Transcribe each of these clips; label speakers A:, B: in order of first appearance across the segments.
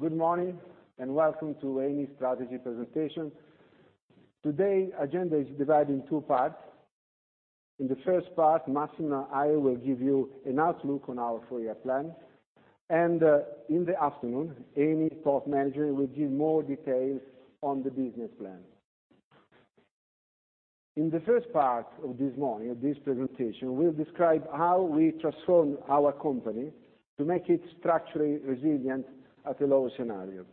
A: Good morning, and welcome to Eni's strategy presentation. Today, agenda is divided in two parts. In the first part, Massimo and I will give you an outlook on our four-year plan. In the afternoon, Eni's top management will give more details on the business plan. In the first part of this morning, of this presentation, we will describe how we transformed our company to make it structurally resilient at a lower scenario.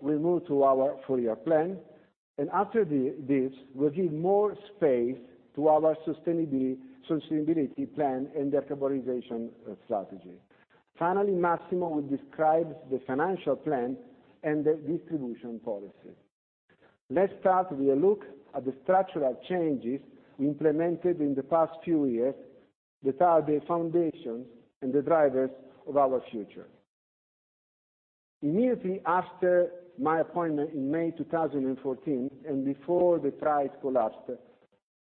A: We move to our four-year plan. After this, we will give more space to our sustainability plan and decarbonization strategy. Finally, Massimo will describe the financial plan and the distribution policy. Let's start with a look at the structural changes we implemented in the past few years that are the foundations and the drivers of our future. Immediately after my appointment in May 2014, and before the price collapsed,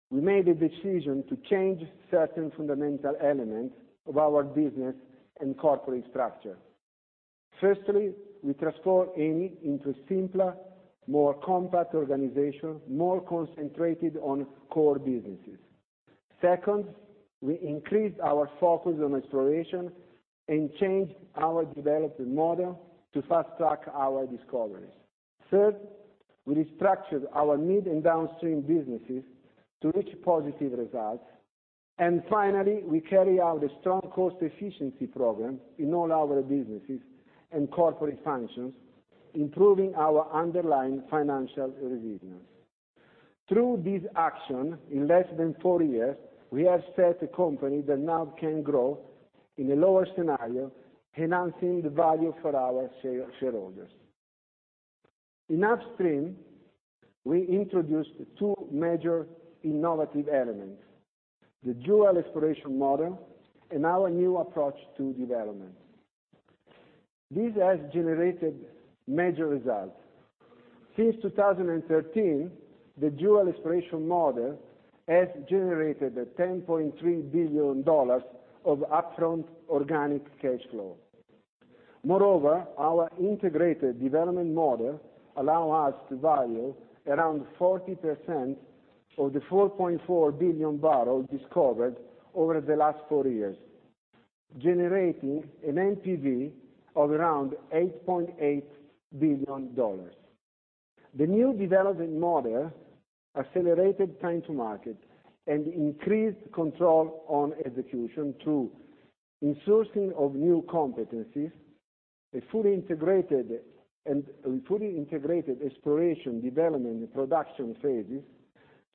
A: we made a decision to change certain fundamental elements of our business and corporate structure. Firstly, we transformed Eni into a simpler, more compact organization, more concentrated on core businesses. Second, we increased our focus on exploration and changed our development model to fast-track our discoveries. Third, we restructured our mid and downstream businesses to reach positive results. Finally, we carry out a strong cost efficiency program in all our businesses and corporate functions, improving our underlying financial resilience. Through this action, in less than four years, we have set a company that now can grow in a lower scenario, enhancing the value for our shareholders. In upstream, we introduced two major innovative elements, the dual exploration model and our new approach to development. This has generated major results. Since 2013, the dual exploration model has generated $10.3 billion of upfront organic cash flow. Moreover, our integrated development model allow us to value around 40% of the 4.4 billion barrels discovered over the last four years, generating an NPV of around $8.8 billion. The new development model accelerated time to market and increased control on execution through in-sourcing of new competencies, a fully integrated exploration, development, and production phases,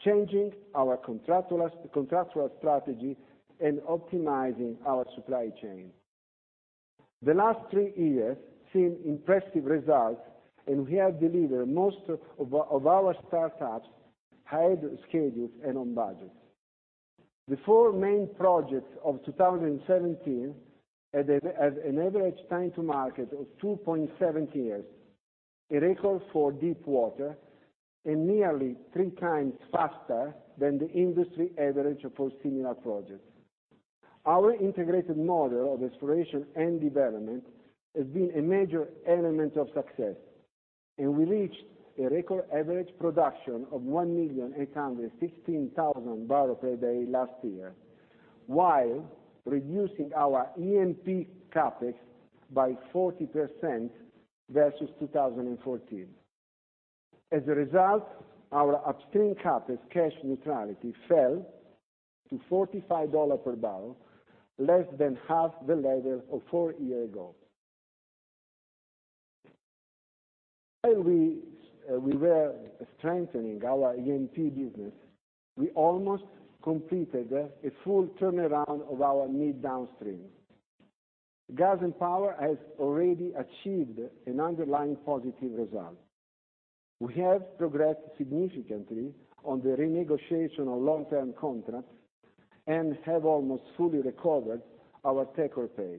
A: changing our contractual strategy, and optimizing our supply chain. The last three years seen impressive results, and we have delivered most of our start-ups ahead of schedule and on budget. The four main projects of 2017 had an average time to market of 2.7 years, a record for deepwater and nearly three times faster than the industry average for similar projects. Our integrated model of exploration and development has been a major element of success. We reached a record average production of 1,816,000 barrels per day last year while reducing our E&P CapEx by 40% versus 2014. As a result, our upstream CapEx cash neutrality fell to $45 per barrel, less than half the level of four year ago. While we were strengthening our E&P business, we almost completed a full turnaround of our mid downstream. Gas and power has already achieved an underlying positive result. We have progressed significantly on the renegotiation of long-term contracts and have almost fully recovered our take-or-pay.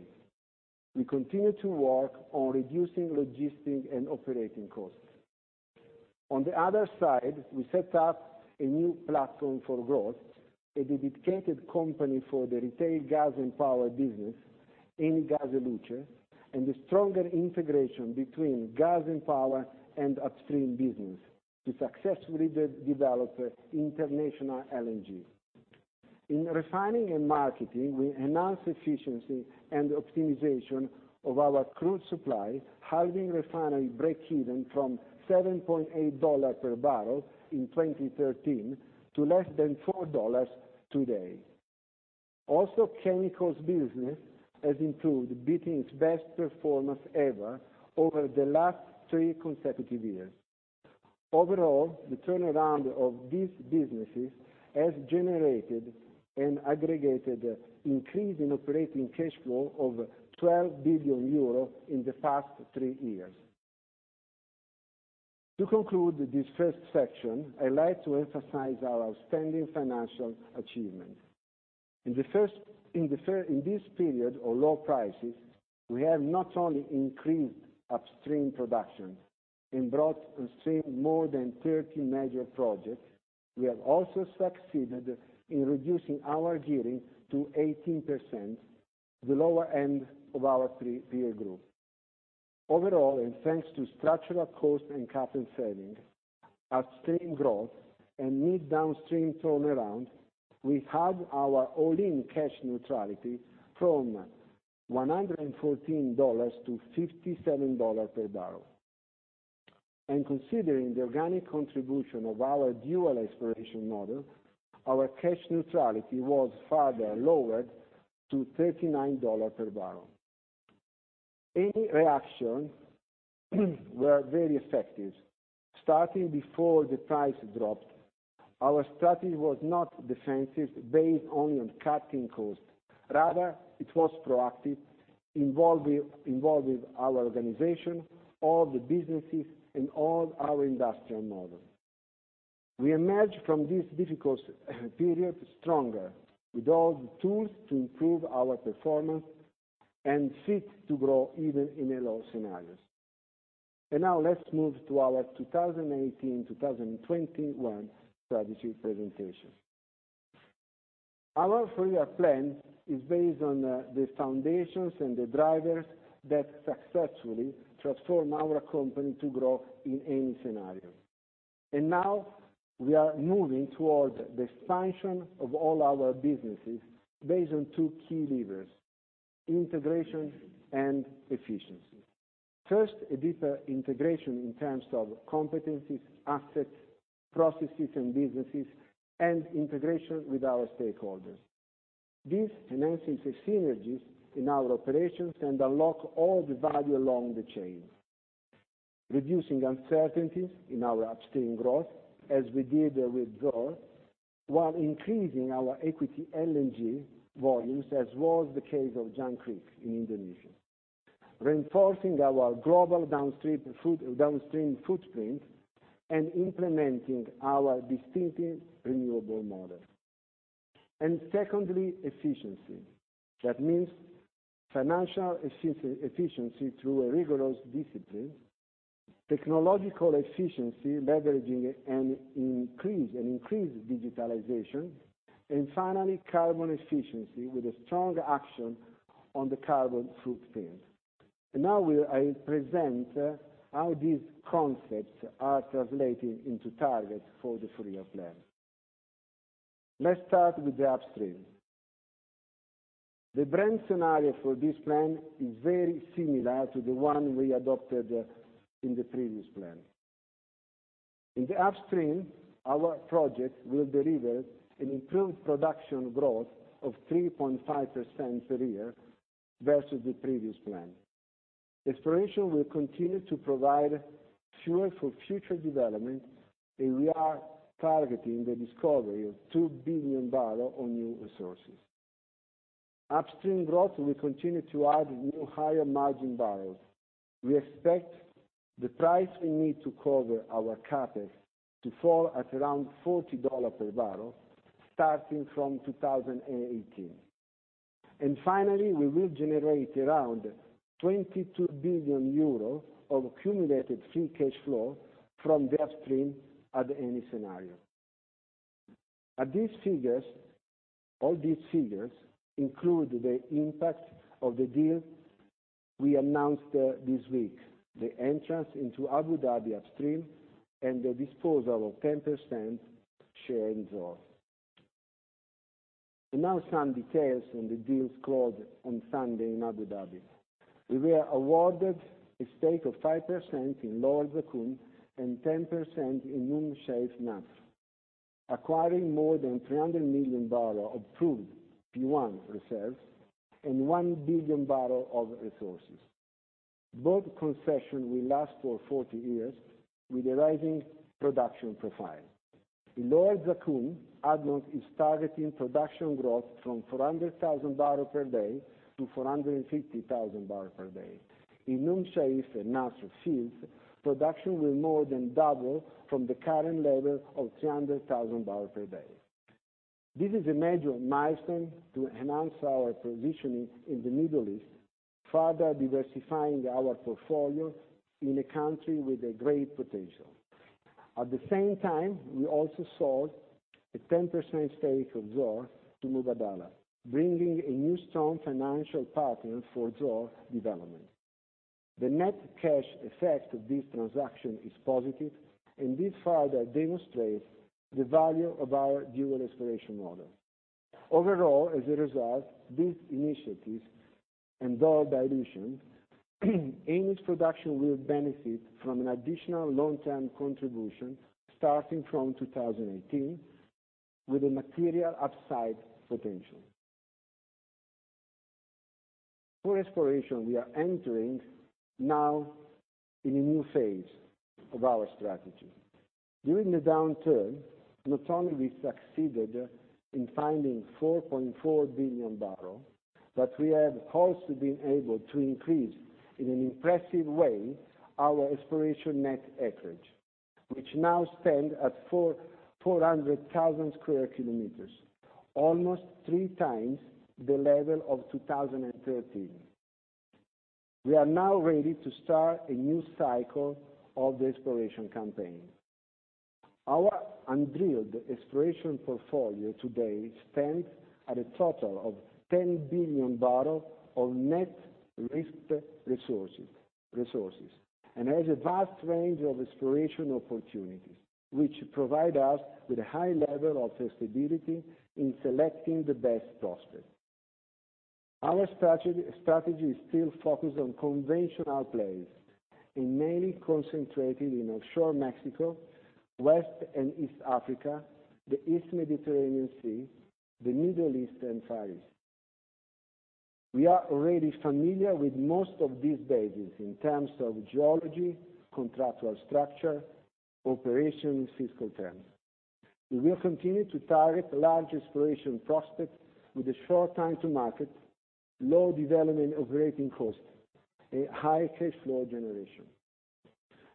A: We continue to work on reducing logistic and operating costs. On the other side, we set up a new platform for growth, a dedicated company for the retail gas and power business, Eni gas e luce, and a stronger integration between gas and power and upstream business to successfully develop international LNG. In refining and marketing, we enhance efficiency and optimization of our crude supply, halving refinery breakeven from $7.80 per barrel in 2013 to less than $4 today. Also, chemicals business has improved, beating its best performance ever over the last three consecutive years. Overall, the turnaround of these businesses has generated an aggregated increase in operating cash flow of 12 billion euros in the past three years. To conclude this first section, I would like to emphasize our outstanding financial achievement. In this period of low prices, we have not only increased upstream production and brought on stream more than 30 major projects. We have also succeeded in reducing our gearing to 18%, the lower end of our three-year group. Overall, thanks to structural cost and capital savings, upstream growth, and mid downstream turnaround, we halved our all-in cash neutrality from $114 to $57 per barrel. Considering the organic contribution of our dual exploration model, our cash neutrality was further lowered to $39 per barrel. Eni reactions were very effective. Starting before the price dropped, our strategy was not defensive based only on cutting costs. Rather, it was proactive, involving our organization, all the businesses, and all our industrial model. We emerged from this difficult period stronger, with all the tools to improve our performance and fit to grow even in low scenarios. Now let's move to our 2018-2021 strategy presentation. Our three-year plan is based on the foundations and the drivers that successfully transform our company to grow in any scenario. Now we are moving towards the expansion of all our businesses based on two key levers, integration and efficiency. First, a deeper integration in terms of competencies, assets, processes, and businesses, and integration with our stakeholders. This enhances the synergies in our operations and unlocks all the value along the chain, reducing uncertainties in our upstream growth, as we did with Zohr, while increasing our equity LNG volumes, as was the case of Jangkrik in Indonesia, reinforcing our global downstream footprint, and implementing our distinctive renewable model. Secondly, efficiency. That means financial efficiency through a rigorous discipline, technological efficiency leveraging an increased digitalization, and finally, carbon efficiency with a strong action on the carbon footprint. Now I will present how these concepts are translating into targets for the three-year plan. Let's start with the upstream. The Brent scenario for this plan is very similar to the one we adopted in the previous plan. In the upstream, our project will deliver an improved production growth of 3.5% per year versus the previous plan. Exploration will continue to provide fuel for future development, and we are targeting the discovery of two billion barrel of new resources. Upstream growth will continue to add new higher margin barrels. We expect the price we need to cover our CapEx to fall at around $40 per barrel, starting from 2018. Finally, we will generate around 22 billion euro of accumulated free cash flow from the upstream at any scenario. All these figures include the impact of the deal we announced this week, the entrance into Abu Dhabi upstream, and the disposal of 10% share in Zohr. Now some details on the deals closed on Sunday in Abu Dhabi. We were awarded a stake of 5% in Lower Zakum and 10% in Umm Shaif and Nasr, acquiring more than 300 million barrels of proved P1 reserves and 1 billion barrels of resources. Both concessions will last for 40 years with a rising production profile. In Lower Zakum, ADNOC is targeting production growth from 400,000 barrels per day to 450,000 barrels per day. In Umm Shaif and Nasr fields, production will more than double from the current level of 300,000 barrels per day. This is a major milestone to enhance our positioning in the Middle East, further diversifying our portfolio in a country with a great potential. At the same time, we also sold a 10% stake of Zohr to Mubadala, bringing a new strong financial partner for Zohr development. The net cash effect of this transaction is positive, this further demonstrates the value of our dual exploration model. Overall, as a result, these initiatives and Zohr dilution, Eni's production will benefit from an additional long-term contribution starting from 2018 with a material upside potential. For exploration, we are entering now in a new phase of our strategy. During the downturn, not only we succeeded in finding 4.4 billion barrels, but we have also been able to increase, in an impressive way, our exploration net acreage, which now stands at 400,000 sq km, almost 3 times the level of 2013. We are now ready to start a new cycle of the exploration campaign. Our undrilled exploration portfolio today stands at a total of 10 billion barrels of net risked resources, has a vast range of exploration opportunities, which provide us with a high level of flexibility in selecting the best prospects. Our strategy is still focused on conventional plays, mainly concentrated in offshore Mexico, West and East Africa, the East Mediterranean Sea, the Middle East, and Far East. We are already familiar with most of these basins in terms of geology, contractual structure, operation, and fiscal terms. We will continue to target large exploration prospects with a short time to market, low development operating costs, and high cash flow generation.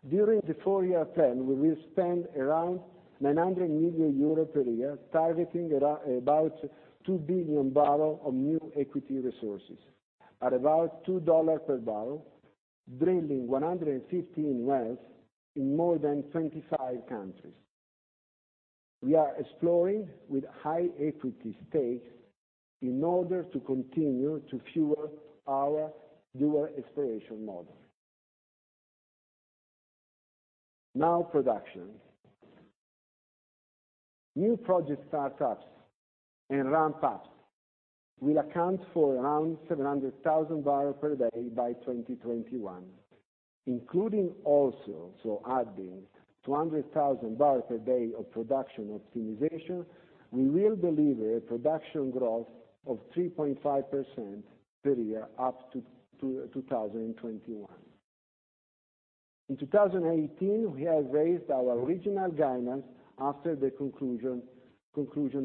A: During the 4-year plan, we will spend around 900 million euro per year, targeting about 2 billion barrels of new equity resources, at about $2 per barrel, drilling 115 wells in more than 25 countries. We are exploring with high equity stakes in order to continue to fuel our newer exploration model. Now production. New project start-ups and ramp-ups will account for around 700,000 barrels per day by 2021. Including also, adding, 200,000 barrels per day of production optimization, we will deliver a production growth of 3.5% per year up to 2021. In 2018, we have raised our original guidance after the conclusion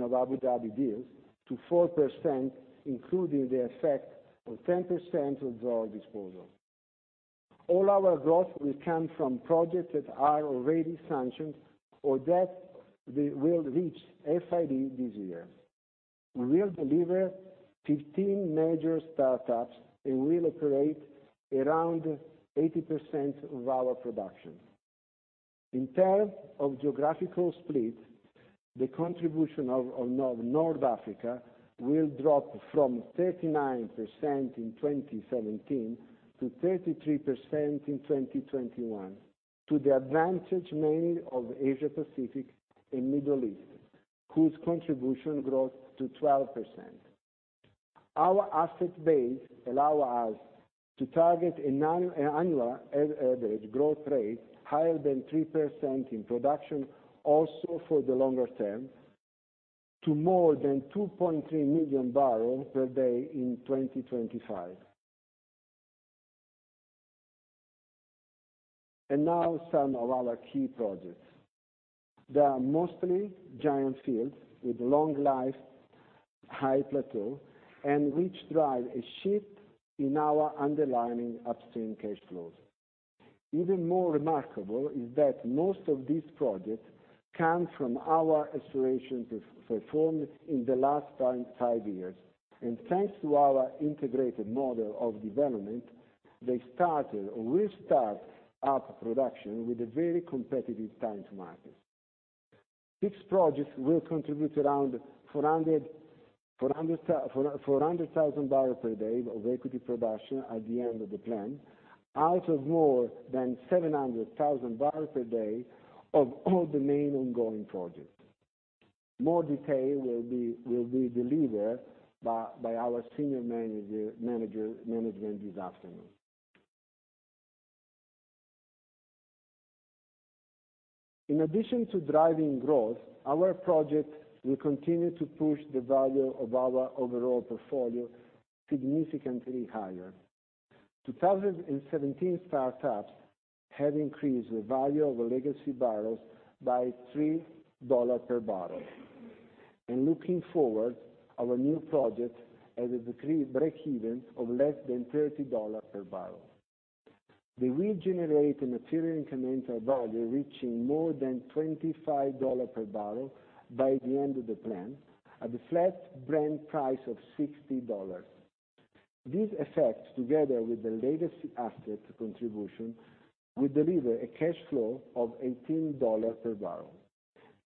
A: of Abu Dhabi deals to 4%, including the effect of 10% of Zohr disposal. All our growth will come from projects that are already sanctioned or that will reach FID this year. We will deliver 15 major start-ups, and will operate around 80% of our production. In terms of geographical split, the contribution of North Africa will drop from 39% in 2017 to 33% in 2021, to the advantage mainly of Asia Pacific and Middle East, whose contribution grows to 12%. Our asset base allow us to target an annual average growth rate higher than 3% in production also for the longer term, to more than 2.3 million barrels per day in 2025. Now some of our key projects. They are mostly giant fields with long life, high plateau, and which drive a shift in our underlying upstream cash flows. Even more remarkable is that most of these projects come from our exploration performed in the last five years. Thanks to our integrated model of development, they started or will start up production with a very competitive time to market. These projects will contribute around 400,000 barrels per day of equity production at the end of the plan, out of more than 700,000 barrels per day of all the main ongoing projects. More detail will be delivered by our senior management this afternoon. In addition to driving growth, our projects will continue to push the value of our overall portfolio significantly higher. 2017 start-ups have increased the value of legacy barrels by $3 per barrel. Looking forward, our new projects have a breakeven of less than $30 per barrel. They will generate a material incremental value reaching more than $25 per barrel by the end of the plan, at a flat Brent price of $60. This effect, together with the legacy asset contribution, will deliver a cash flow of $18 per barrel.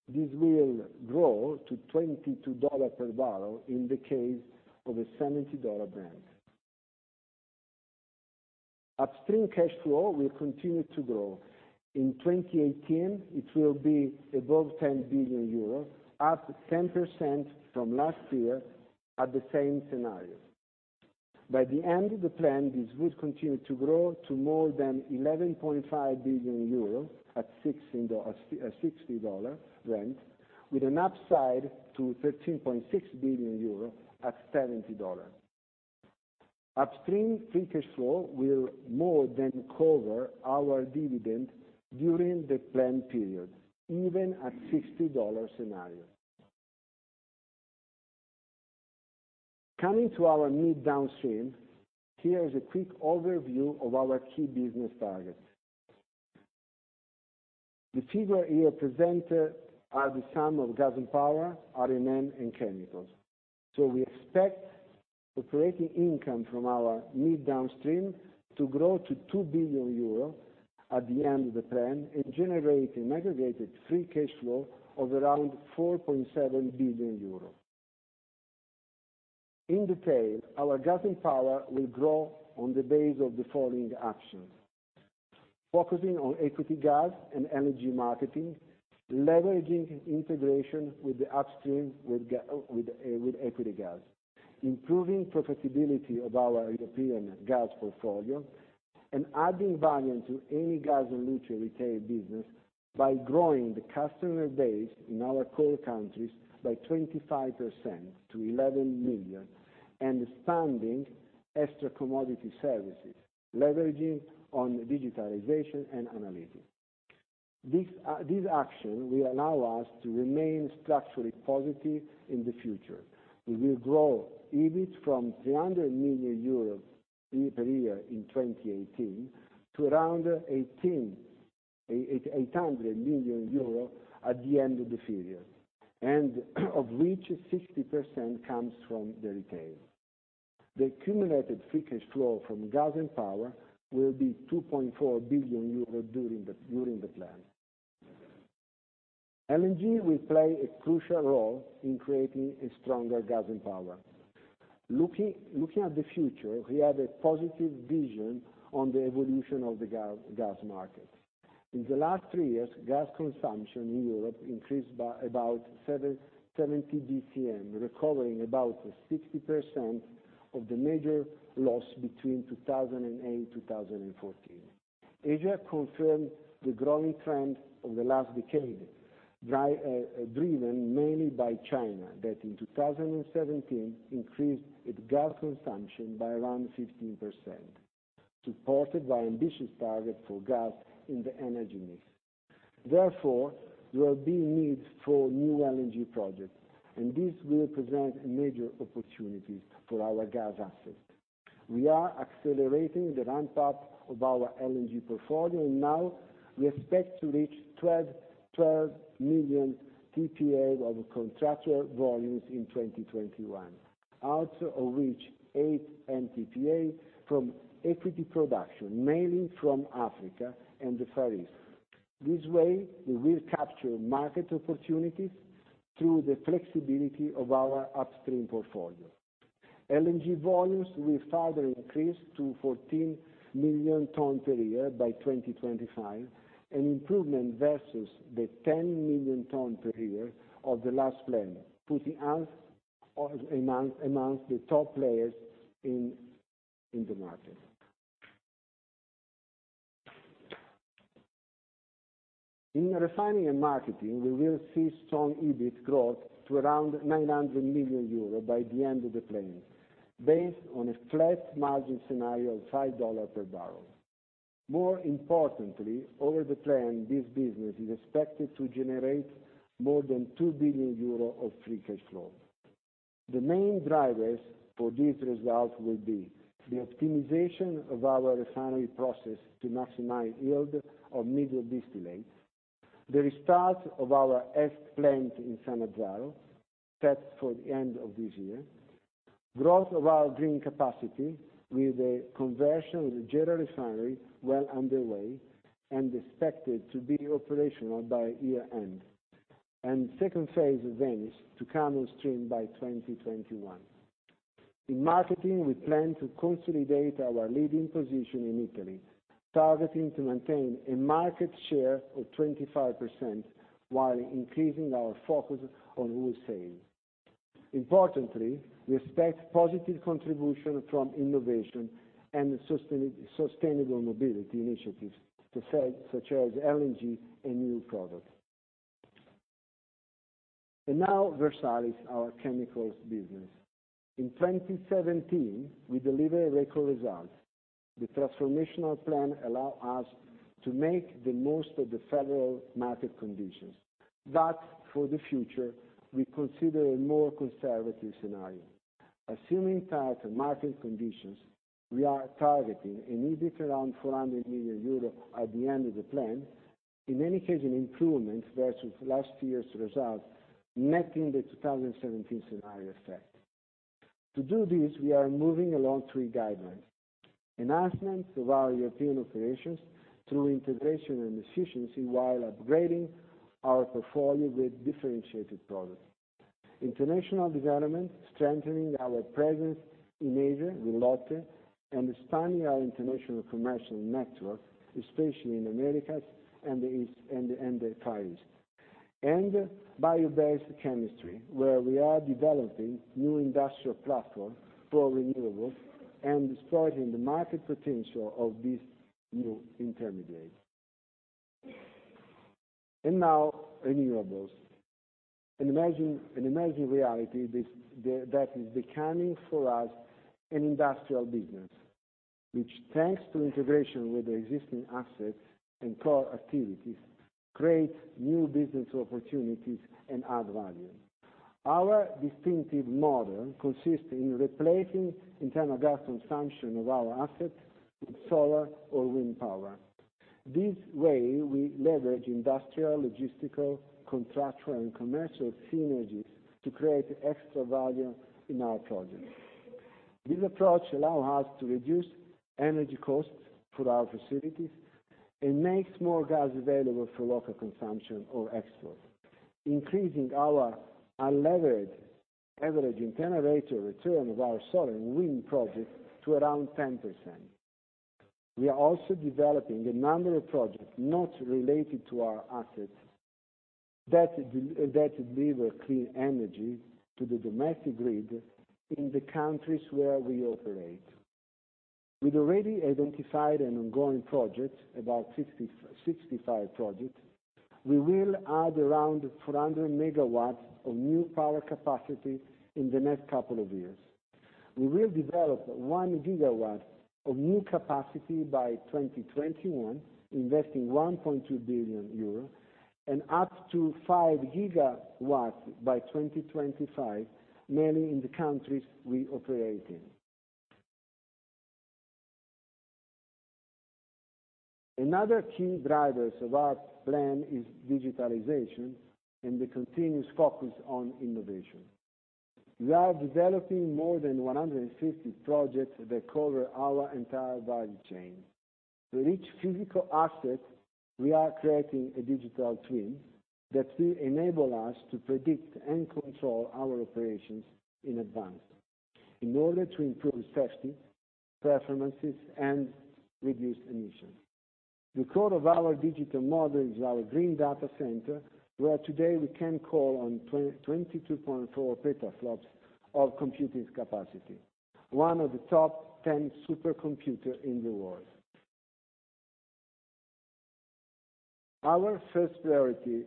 A: This will grow to $22 per barrel in the case of a $70 Brent. Upstream cash flow will continue to grow. In 2018, it will be above 10 billion euros, up 10% from last year at the same scenario. By the end of the plan, this will continue to grow to more than 11.5 billion euros at $60 Brent, with an upside to 13.6 billion euro at $70. Upstream free cash flow will more than cover our dividend during the plan period, even at $60 scenario. Coming to our mid downstream, here is a quick overview of our key business targets. The figures here presented are the sum of gas and power, R&M, and chemicals. We expect operating income from our mid downstream to grow to 2 billion euros at the end of the plan and generate an aggregated free cash flow of around 4.7 billion euros. In detail, our gas and power will grow on the base of the following actions. Focusing on equity gas and energy marketing, leveraging integration with the upstream with equity gas, improving profitability of our European gas portfolio, and adding value to Eni gas e luce retail business by growing the customer base in our core countries by 25% to 11 million, and expanding extra commodity services, leveraging on digitalization and analytics. These actions will allow us to remain structurally positive in the future. We will grow EBIT from 300 million euros per year in 2018 to around 800 million euro at the end of the period, and of which 60% comes from the retail. The accumulated free cash flow from gas and power will be 2.4 billion euros during the plan. LNG will play a crucial role in creating a stronger gas and power. Looking at the future, we have a positive vision on the evolution of the gas market. In the last three years, gas consumption in Europe increased by about 70 BCM, recovering about 60% of the major loss between 2008 and 2014. Asia confirmed the growing trend of the last decade, driven mainly by China, that in 2017 increased its gas consumption by around 15%, supported by ambitious target for gas in the energy mix. There will be needs for new LNG projects, and this will present major opportunities for our gas assets. We are accelerating the ramp-up of our LNG portfolio, and now we expect to reach 12 MTPA of contractual volumes in 2021. Out of which, 8 MTPA from equity production, mainly from Africa and the Far East. This way, we will capture market opportunities through the flexibility of our upstream portfolio. LNG volumes will further increase to 14 MTPA by 2025, an improvement versus the 10 MTPA of the last plan, putting us amongst the top players in the market. In refining and marketing, we will see strong EBIT growth to around 900 million euros by the end of the plan, based on a flat margin scenario of $5 per barrel. More importantly, over the plan, this business is expected to generate more than 2 billion euro of free cash flow. The main drivers for this result will be the optimization of our refinery process to maximize yield of middle distillate, the restart of our S-Plant in Sannazzaro, set for the end of this year, growth of our green capacity with the conversion of the Genoa refinery well underway and expected to be operational by year-end, and second phase of Venice to come on stream by 2021. In marketing, we plan to consolidate our leading position in Italy, targeting to maintain a market share of 25% while increasing our focus on wholesale. Importantly, we expect positive contribution from innovation and sustainable mobility initiatives, such as LNG and new products. Versalis, our chemicals business. In 2017, we delivered record results. The transformational plan allow us to make the most of the favorable market conditions. For the future, we consider a more conservative scenario. Assuming tighter market conditions, we are targeting an EBIT around 400 million euros at the end of the plan. In any case, an improvement versus last year's result, netting the 2017 scenario effect. To do this, we are moving along three guidelines. Enhancement of our European operations through integration and efficiency, while upgrading our portfolio with differentiated products. International development, strengthening our presence in Asia with LOTTE, and expanding our international commercial network, especially in Americas and the Far East. Bio-based chemistry, where we are developing new industrial platform for renewables and exploiting the market potential of these new intermediates. Renewables. An emerging reality that is becoming for us an industrial business, which thanks to integration with the existing assets and core activities, creates new business opportunities and add value. Our distinctive model consists in replacing internal gas consumption of our assets with solar or wind power. This way, we leverage industrial, logistical, contractual, and commercial synergies to create extra value in our projects. This approach allows us to reduce energy costs for our facilities and makes more gas available for local consumption or export, increasing our unlevered average IRR of our solar and wind projects to around 10%. We are also developing a number of projects not related to our assets that deliver clean energy to the domestic grid in the countries where we operate. With already identified and ongoing projects, about 65 projects, we will add around 400 MW of new power capacity in the next couple of years. We will develop 1 GW of new capacity by 2021, investing 1.2 billion euro, and up to 5 GW by 2025, mainly in the countries we operate in. Another key driver of our plan is digitalization and the continuous focus on innovation. We are developing more than 150 projects that cover our entire value chain. For each physical asset, we are creating a digital twin that will enable us to predict and control our operations in advance in order to improve safety, performances, and reduce emissions. The core of our digital model is our Green Data Center, where today we can call on 22.4 petaFLOPS of computing capacity, one of the top 10 supercomputers in the world. Our first priorities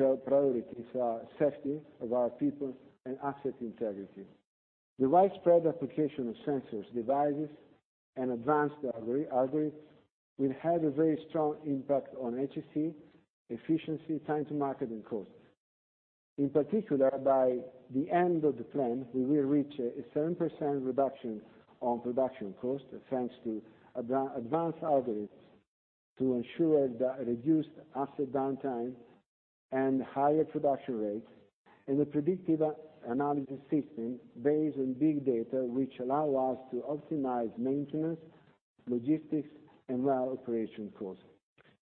A: are safety of our people and asset integrity. The widespread application of sensors, devices, and advanced algorithms will have a very strong impact on HSE, efficiency, time to market, and cost. In particular, by the end of the plan, we will reach a 7% reduction on production cost, thanks to advanced algorithms to ensure the reduced asset downtime and higher production rates, and a predictive analytics system based on big data, which allow us to optimize maintenance, logistics, and well operation costs.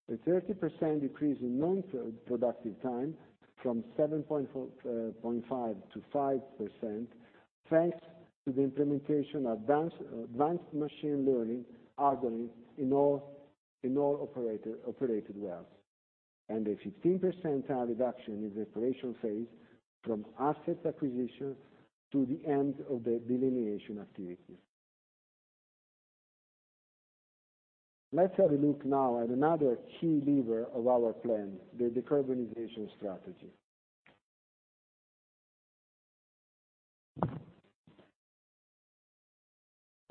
A: A 30% decrease in non-productive time from 7.5%-5%, thanks to the implementation of advanced machine learning algorithms in all operated wells, and a 15% reduction in the exploration phase from asset acquisition to the end of the delineation activity. Let's have a look now at another key lever of our plan, the decarbonization strategy.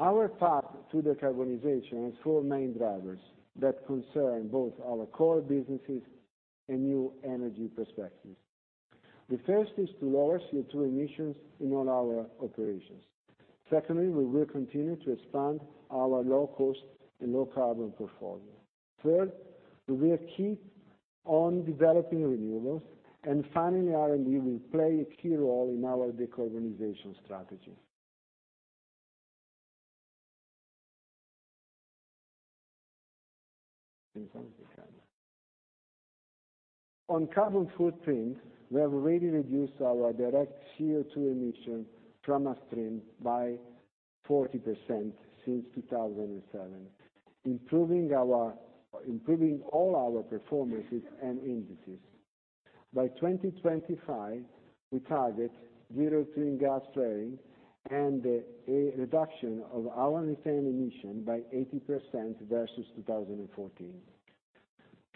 A: Our path to decarbonization has four main drivers that concern both our core businesses and new energy perspectives. The first is to lower CO2 emissions in all our operations. Secondly, we will continue to expand our low cost and low carbon portfolio. Third, we will keep on developing renewables. Finally, R&D will play a key role in our decarbonization strategy. On carbon footprint, we have already reduced our direct CO2 emission from upstream by 40% since 2007, improving all our performances and indices. By 2025, we target zero routine gas flaring and a reduction of our retained emission by 80% versus 2014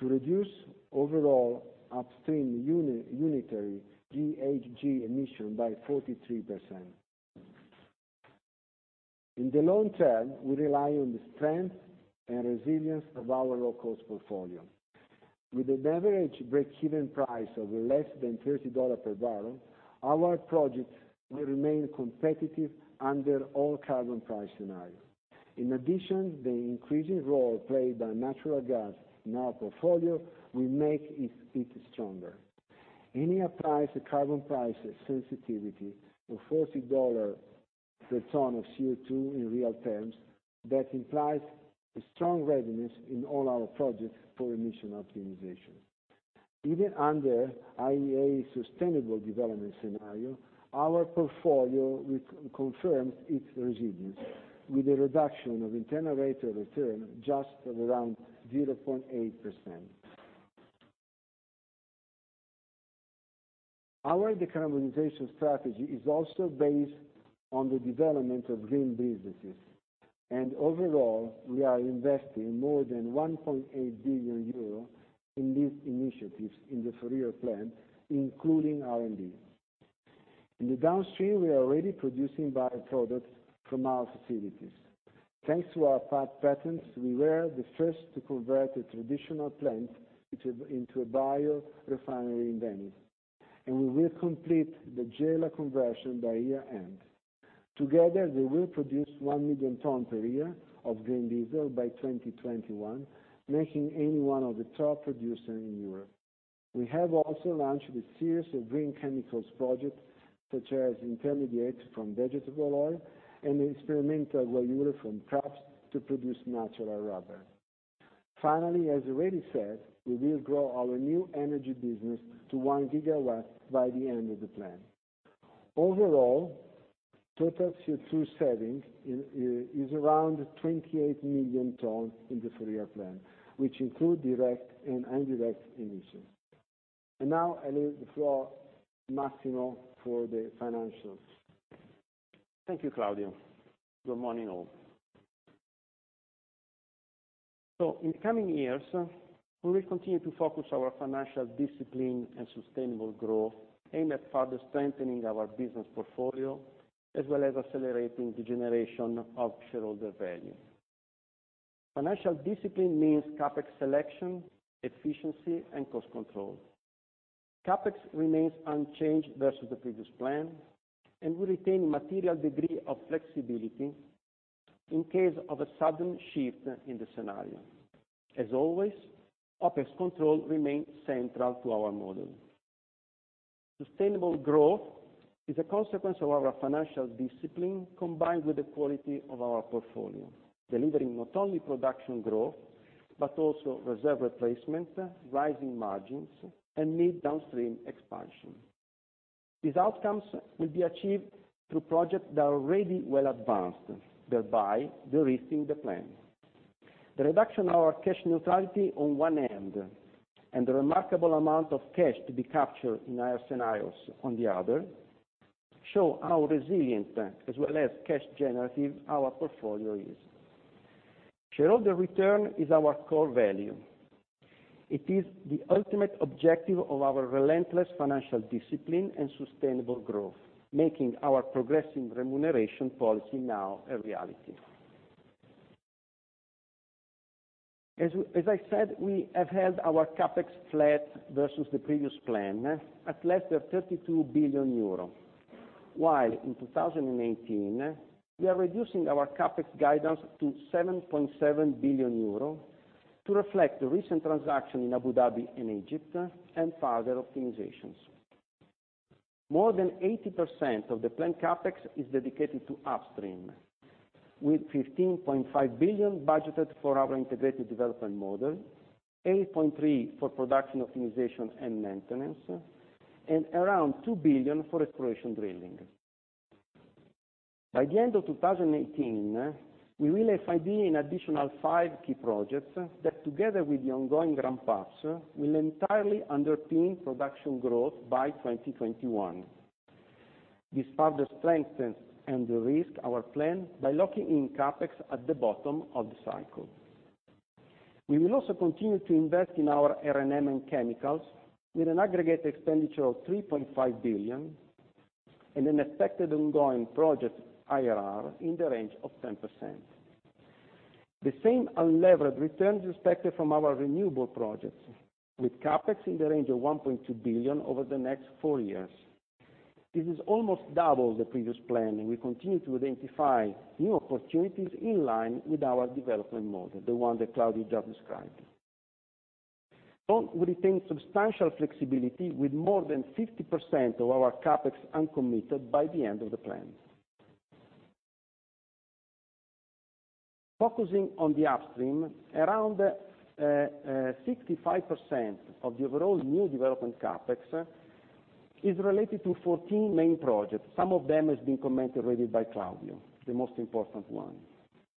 A: to reduce overall upstream unitary GHG emission by 43%. In the long term, we rely on the strength and resilience of our low-cost portfolio. With an average breakeven price of less than $30 per barrel, our projects will remain competitive under all carbon price scenarios. In addition, the increasing role played by natural gas in our portfolio will make it stronger. Eni applies a carbon price sensitivity of $40 per ton of CO2 in real terms that implies a strong readiness in all our projects for emission optimization. Even under IEA Sustainable Development Scenario, our portfolio confirms its resilience with a reduction of internal rate of return just of around 0.8%. Our decarbonization strategy is also based on the development of green businesses. Overall, we are investing more than 1.8 billion euro in these initiatives in the Four-Year Plan, including R&D. In the downstream, we are already producing by-products from our facilities. Thanks to our past patrons, we were the first to convert a traditional plant into a biorefinery in Venice, and we will complete the Gela conversion by year-end. Together, they will produce 1 million tons per year of green diesel by 2021, making Eni one of the top producers in Europe. We have also launched a series of green chemicals projects, such as intermediates from vegetable oil and the experimental guayule from crops to produce natural rubber. Finally, as already said, we will grow our new energy business to 1 gigawatt by the end of the plan. Overall, total CO2 savings is around 28 million tons in the Four-Year Plan, which include direct and indirect emissions. Now I leave the floor to Massimo for the financials.
B: Thank you, Claudio. Good morning, all. In coming years, we will continue to focus our financial discipline and sustainable growth aimed at further strengthening our business portfolio as well as accelerating the generation of shareholder value. Financial discipline means CapEx selection, efficiency, and cost control. CapEx remains unchanged versus the previous plan, and we retain material degree of flexibility in case of a sudden shift in the scenario. As always, OpEx control remains central to our model. Sustainable growth is a consequence of our financial discipline combined with the quality of our portfolio, delivering not only production growth, but also reserve replacement, rising margins, and midstream, downstream expansion. These outcomes will be achieved through projects that are already well advanced, thereby de-risking the plan. The reduction of our cash neutrality on one end, and the remarkable amount of cash to be captured in higher scenarios on the other, show how resilient, as well as cash generative our portfolio is. Shareholder return is our core value. It is the ultimate objective of our relentless financial discipline and sustainable growth, making our progressive remuneration policy now a reality. As I said, we have held our CapEx flat versus the previous plan at less than 32 billion euro, while in 2018, we are reducing our CapEx guidance to 7.7 billion euro to reflect the recent transaction in Abu Dhabi and Egypt and further optimizations. More than 80% of the planned CapEx is dedicated to upstream, with 15.5 billion budgeted for our integrated development model, 8.3 billion for production optimization and maintenance, and around 2 billion for exploration drilling. By the end of 2018, we will be FID-ing an additional five key projects that, together with the ongoing ramp-ups, will entirely underpin production growth by 2021. This further strengthens and de-risks our plan by locking in CapEx at the bottom of the cycle. We will also continue to invest in our R&M and chemicals with an aggregate expenditure of 3.5 billion and an expected ongoing project IRR in the range of 10%. The same unlevered return is expected from our renewable projects, with CapEx in the range of 1.2 billion over the next four years. This is almost double the previous plan, and we continue to identify new opportunities in line with our development model, the one that Claudio just described. We retain substantial flexibility with more than 50% of our CapEx uncommitted by the end of the plan. Focusing on the upstream, around 65% of the overall new development CapEx is related to 14 main projects. Some of them has been commented already by Claudio, the most important one.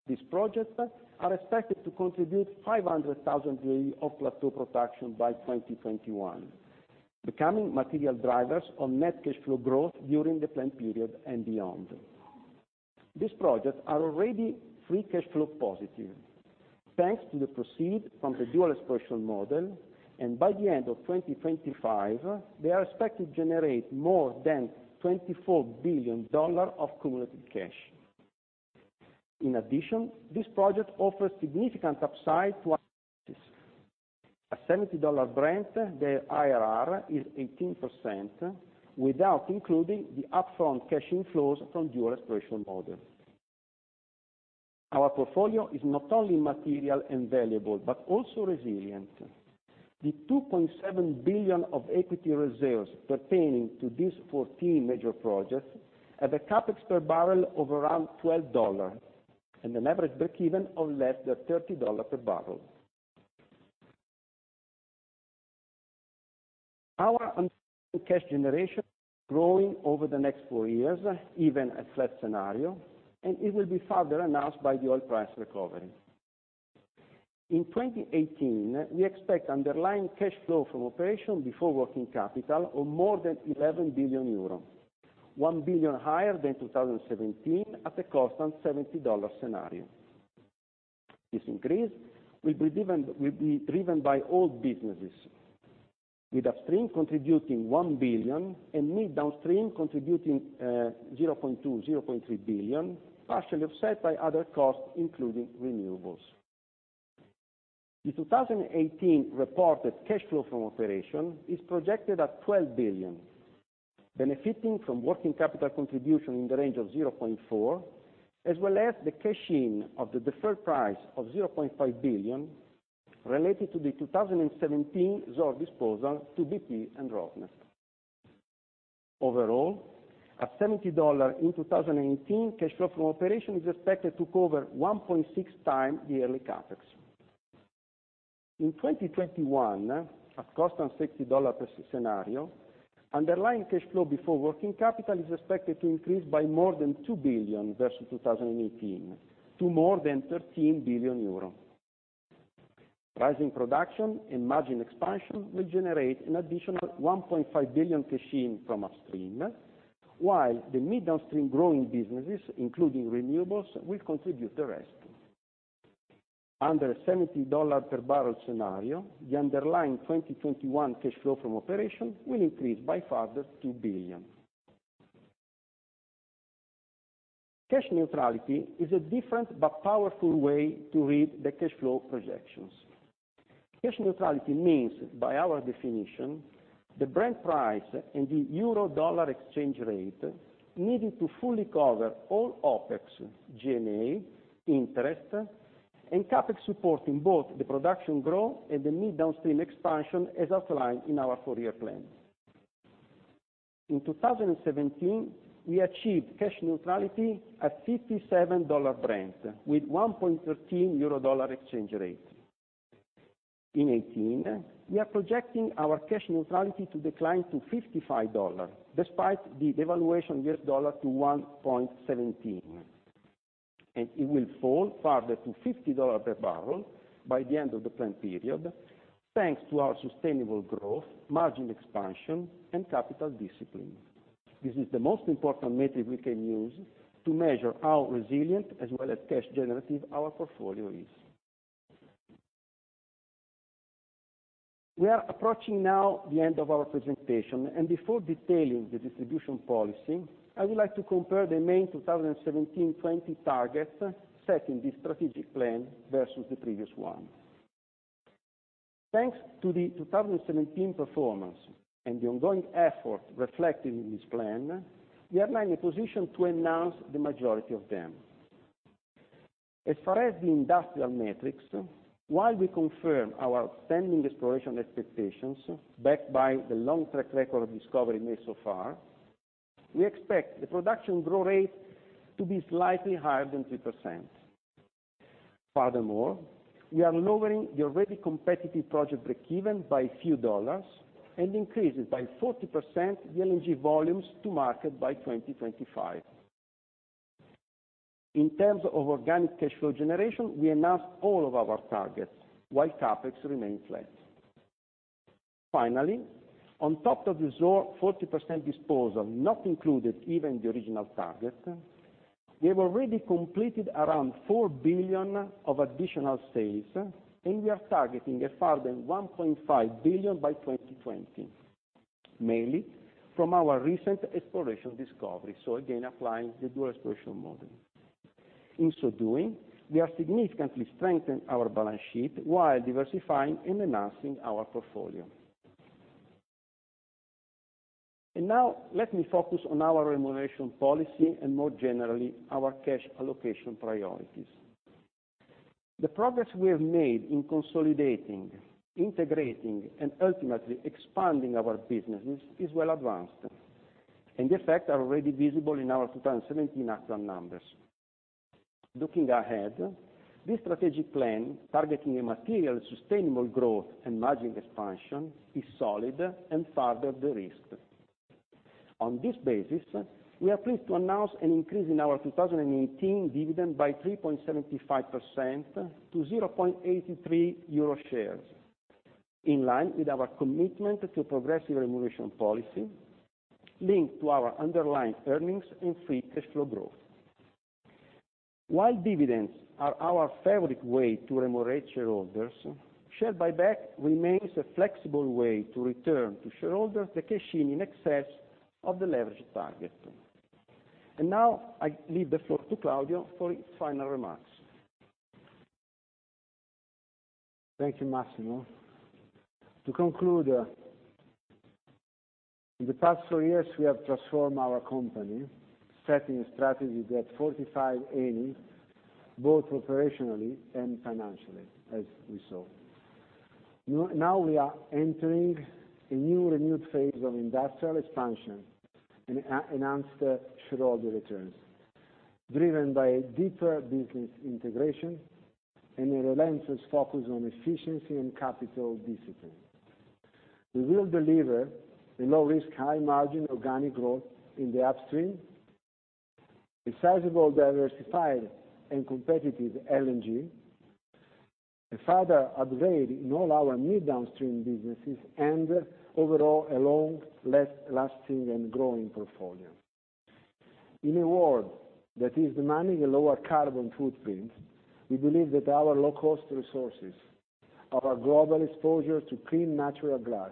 B: These projects are expected to contribute 500,000 barrels of plateau production by 2021, becoming material drivers of net cash flow growth during the plan period and beyond. These projects are already free cash flow positive, thanks to the proceeds from the dual exploration model, and by the end of 2025, they are expected to generate more than $24 billion of cumulative cash. In addition, this project offers significant upside to our business. At $70 Brent, the IRR is 18%, without including the upfront cash inflows from dual exploration model. Our portfolio is not only material and valuable, but also resilient. The 2.7 billion of equity reserves pertaining to these 14 major projects have a CapEx per barrel of around $12 and an average breakeven of less than $30 per barrel. Our underlying cash generation growing over the next four years, even a flat scenario, and it will be further enhanced by the oil price recovery. In 2018, we expect underlying cash flow from operation before working capital of more than 11 billion euros, 1 billion higher than 2017 at a constant $70 scenario. This increase will be driven by all businesses, with upstream contributing 1 billion and midstream contributing 0.2 billion-0.3 billion, partially offset by other costs, including renewables. The 2018 reported cash flow from operation is projected at 12 billion, benefiting from working capital contribution in the range of 0.4 billion, as well as the cash-in of the deferred price of 0.5 billion related to the 2017 Zohr disposal to BP and Rosneft. Overall, at $70 in 2018, cash flow from operation is expected to cover 1.6 times the yearly CapEx. In 2021, at constant $60 per scenario, underlying cash flow before working capital is expected to increase by more than 2 billion versus 2018, to more than 13 billion euro. Rising production and margin expansion will generate an additional 1.5 billion cash-in from upstream, while the mid downstream growing businesses, including renewables, will contribute the rest. Under $70 per barrel scenario, the underlying 2021 cash flow from operation will increase by further 2 billion. Cash neutrality is a different but powerful way to read the cash flow projections. Cash neutrality means, by our definition, the Brent price and the euro/dollar exchange rate needing to fully cover all OpEx, G&A, interest, and CapEx supporting both the production growth and the mid downstream expansion, as outlined in our four-year plan. In 2017, we achieved cash neutrality at $57 Brent with 1.13 euro/dollar exchange rate. In 2018, we are projecting our cash neutrality to decline to $55, despite the devaluation of U.S. dollar to 1.17, it will fall further to $50 per barrel by the end of the plan period, thanks to our sustainable growth, margin expansion, and capital discipline. This is the most important metric we can use to measure how resilient, as well as cash generative our portfolio is. We are approaching now the end of our presentation, before detailing the distribution policy, I would like to compare the main 2017-2020 targets set in this strategic plan versus the previous one. Thanks to the 2017 performance and the ongoing effort reflected in this plan, we are now in a position to announce the majority of them. As far as the industrial metrics, while we confirm our outstanding exploration expectations backed by the long track record of discovery made so far, we expect the production growth rate to be slightly higher than 3%. Furthermore, we are lowering the already competitive project break-even by a few dollars and increases by 40% the LNG volumes to market by 2025. In terms of organic cash flow generation, we announced all of our targets while CapEx remains flat. Finally, on top of the Zohr 40% disposal, not included even in the original target, we have already completed around 4 billion of additional sales, we are targeting a further 1.5 billion by 2020, mainly from our recent exploration discovery. Again, applying the dual exploration model. In so doing, we are significantly strengthening our balance sheet while diversifying and enhancing our portfolio. Now let me focus on our remuneration policy and more generally, our cash allocation priorities. The progress we have made in consolidating, integrating, and ultimately expanding our businesses is well advanced, and the effects are already visible in our 2017 actual numbers. Looking ahead, this strategic plan, targeting a material, sustainable growth and margin expansion, is solid and further de-risked. On this basis, we are pleased to announce an increase in our 2018 dividend by 3.75% to 0.83 euro shares, in line with our commitment to progressive remuneration policy linked to our underlying earnings and free cash flow growth. While dividends are our favorite way to remunerate shareholders, share buyback remains a flexible way to return to shareholders the cash in excess of the leverage target. Now I leave the floor to Claudio for his final remarks.
A: Thank you, Massimo. To conclude, in the past four years, we have transformed our company, setting a strategy that fortified Eni, both operationally and financially, as we saw. Now we are entering a new renewed phase of industrial expansion and enhanced shareholder returns, driven by a deeper business integration and a relentless focus on efficiency and capital discipline. We will deliver a low-risk, high-margin organic growth in the upstream, a sizable diversified and competitive LNG, a further upgrade in all our mid downstream businesses, and overall, a long lasting and growing portfolio. In a world that is demanding a lower carbon footprint, we believe that our low-cost resources, our global exposure to clean natural gas,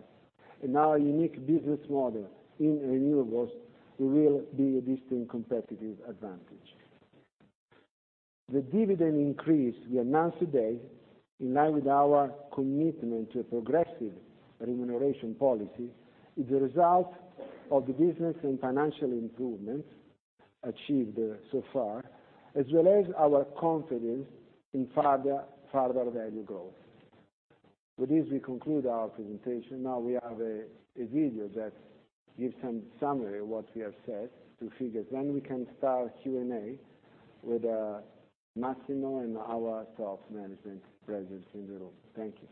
A: and our unique business model in renewables will be a distinct competitive advantage. The dividend increase we announce today, in line with our commitment to a progressive remuneration policy, is a result of the business and financial improvements achieved so far, as well as our confidence in further value growth. With this, we conclude our presentation. Now we have a video that gives some summary of what we have said, to figures. We can start Q&A with Massimo and our top management present in the room. Thank you.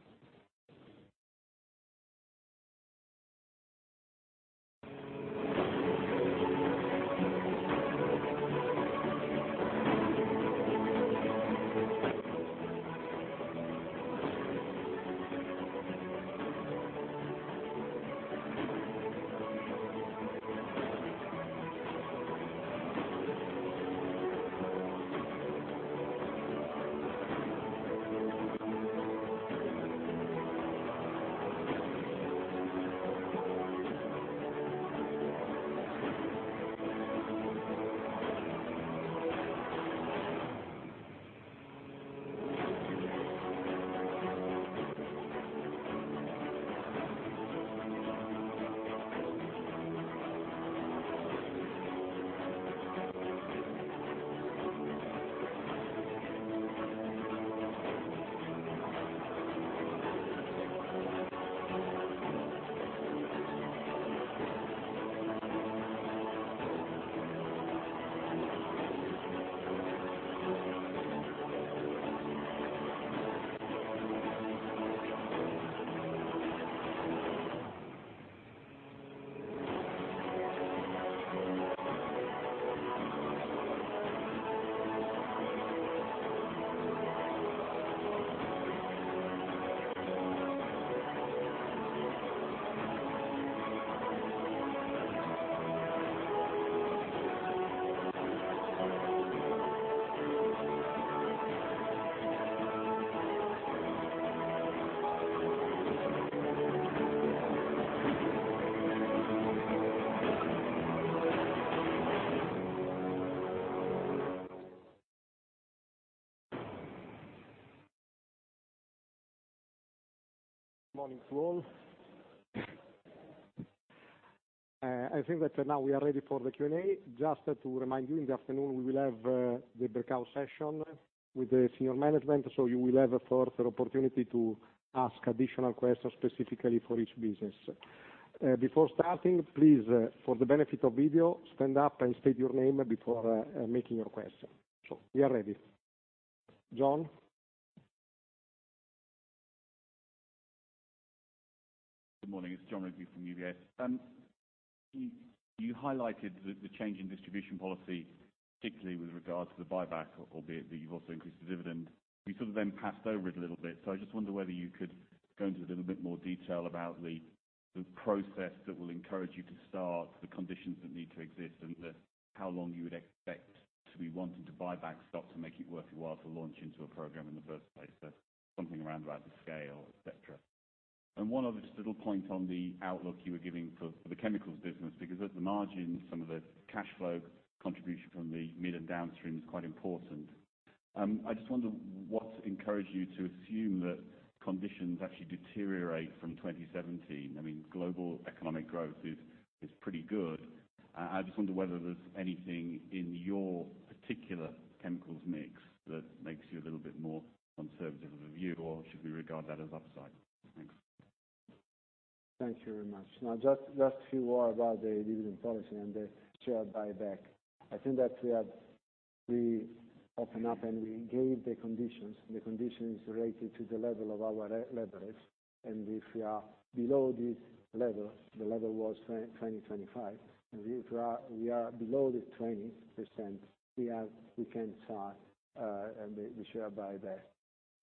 C: Morning to all. Now we are ready for the Q&A. Just to remind you, in the afternoon, we will have the breakout session with the senior management. You will have a further opportunity to ask additional questions specifically for each business. Before starting, please, for the benefit of video, stand up and state your name before making your question. We are ready. Jon?
D: Good morning. It's Jon Rigby from UBS. You highlighted the change in distribution policy, particularly with regard to the buyback, albeit that you've also increased the dividend. You sort of then passed over it a little bit. I just wonder whether you could go into a little bit more detail about the process that will encourage you to start, the conditions that need to exist, and how long you would expect to be wanting to buy back stock to make it worth your while to launch into a program in the first place. Something around about the scale, et cetera. One other just little point on the outlook you were giving for the chemicals business, because at the margin, some of the cash flow contribution from the mid and downstream is quite important. I just wonder what encouraged you to assume that conditions actually deteriorate from 2017. Global economic growth is pretty good. I just wonder whether there's anything in your particular chemicals mix that makes you a little bit more conservative of a view, or should we regard that as upside? Thanks.
A: Thank you very much. Just a few words about the dividend policy and the share buyback. I think that we opened up and we gave the conditions related to the level of our leverage. If we are below this level, the level was 0.2-0.25, if we are below the 20%, we can start the share buyback.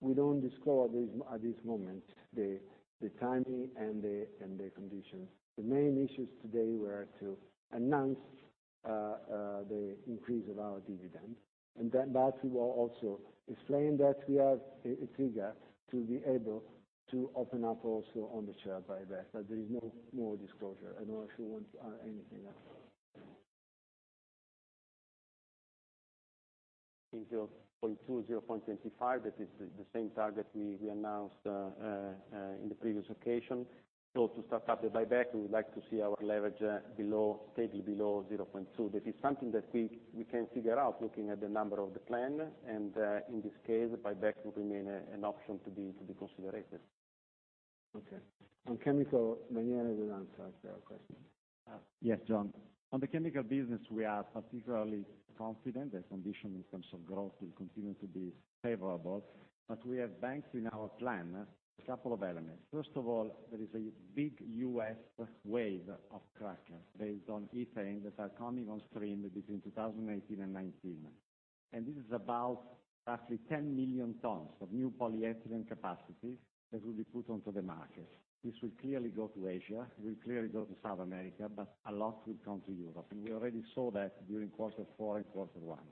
A: We don't disclose at this moment the timing and the conditions. The main issues today were to announce the increase of our dividend, that we will also explain that we have a trigger to be able to open up also on the share buyback. There is no more disclosure. I don't know if you want to add anything else.
B: In 0.2, 0.25, that is the same target we announced in the previous occasion. To start up the buyback, we would like to see our leverage steadily below 0.2. That is something that we can figure out looking at the number of the plan, in this case, buyback would remain an option to be considered.
A: Okay. On Chemical, Daniele will answer the question.
E: Yes, Jon. On the chemical business, we are particularly confident the condition in terms of growth will continue to be favorable, but we have banked in our plan a couple of elements. First of all, there is a big U.S. wave of cracker based on ethane that are coming on stream between 2018 and 2019. This is about roughly 10 million tons of new polyethylene capacity that will be put onto the market. This will clearly go to Asia, will clearly go to South America, but a lot will come to Europe. We already saw that during quarter four and quarter one.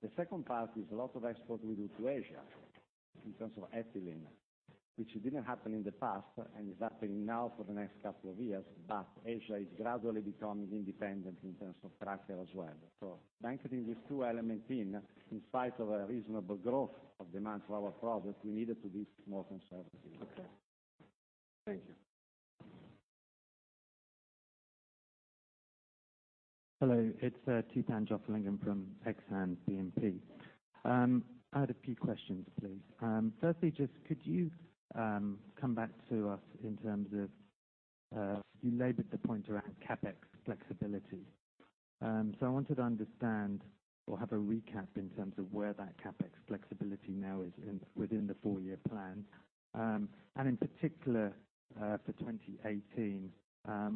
E: The second part is a lot of export we do to Asia in terms of ethylene, which didn't happen in the past and is happening now for the next couple of years. Asia is gradually becoming independent in terms of cracker as well. Factoring these two elements in spite of a reasonable growth of demand for our product, we needed to be more conservative.
B: Okay. Thank you.
F: Hello, it's Tapan Jostling in from Exane BNP. I had a few questions, please. Firstly, just could you come back to us in terms of, you labeled the point around CapEx flexibility. I wanted to understand or have a recap in terms of where that CapEx flexibility now is within the four-year plan. In particular for 2018,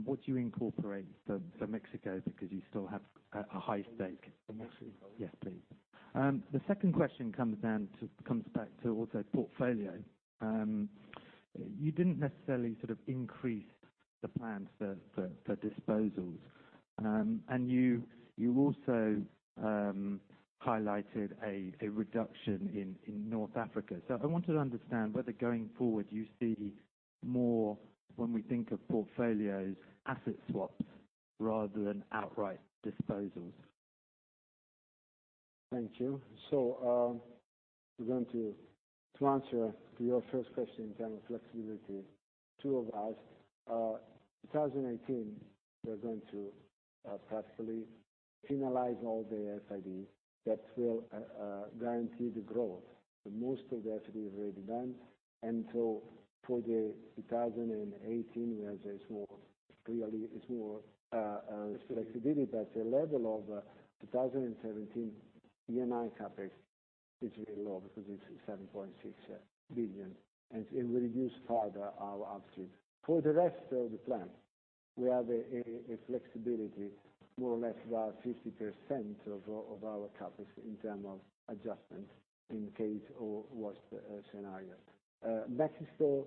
F: what do you incorporate for Mexico because you still have a high stake?
E: Mexico?
F: Yes, please. The second question comes back to also portfolio. You didn't necessarily sort of increase the plans for disposals. You also highlighted a reduction in North Africa. I wanted to understand whether going forward, you see more, when we think of portfolios, asset swaps rather than outright disposals.
E: Thank you. We're going to answer your first question in terms of flexibility. 2018, we are going to carefully finalize all the FID that will guarantee the growth. Most of the FID is already done, for 2018, we have a small, clearly, it's more flexibility, but the level of 2017 Eni CapEx is really low because it's 7.6 billion, it will reduce further our upstream. For the rest of the plan, we have a flexibility more or less about 50% of our CapEx in terms of adjustment in case of worst scenario. Mexico,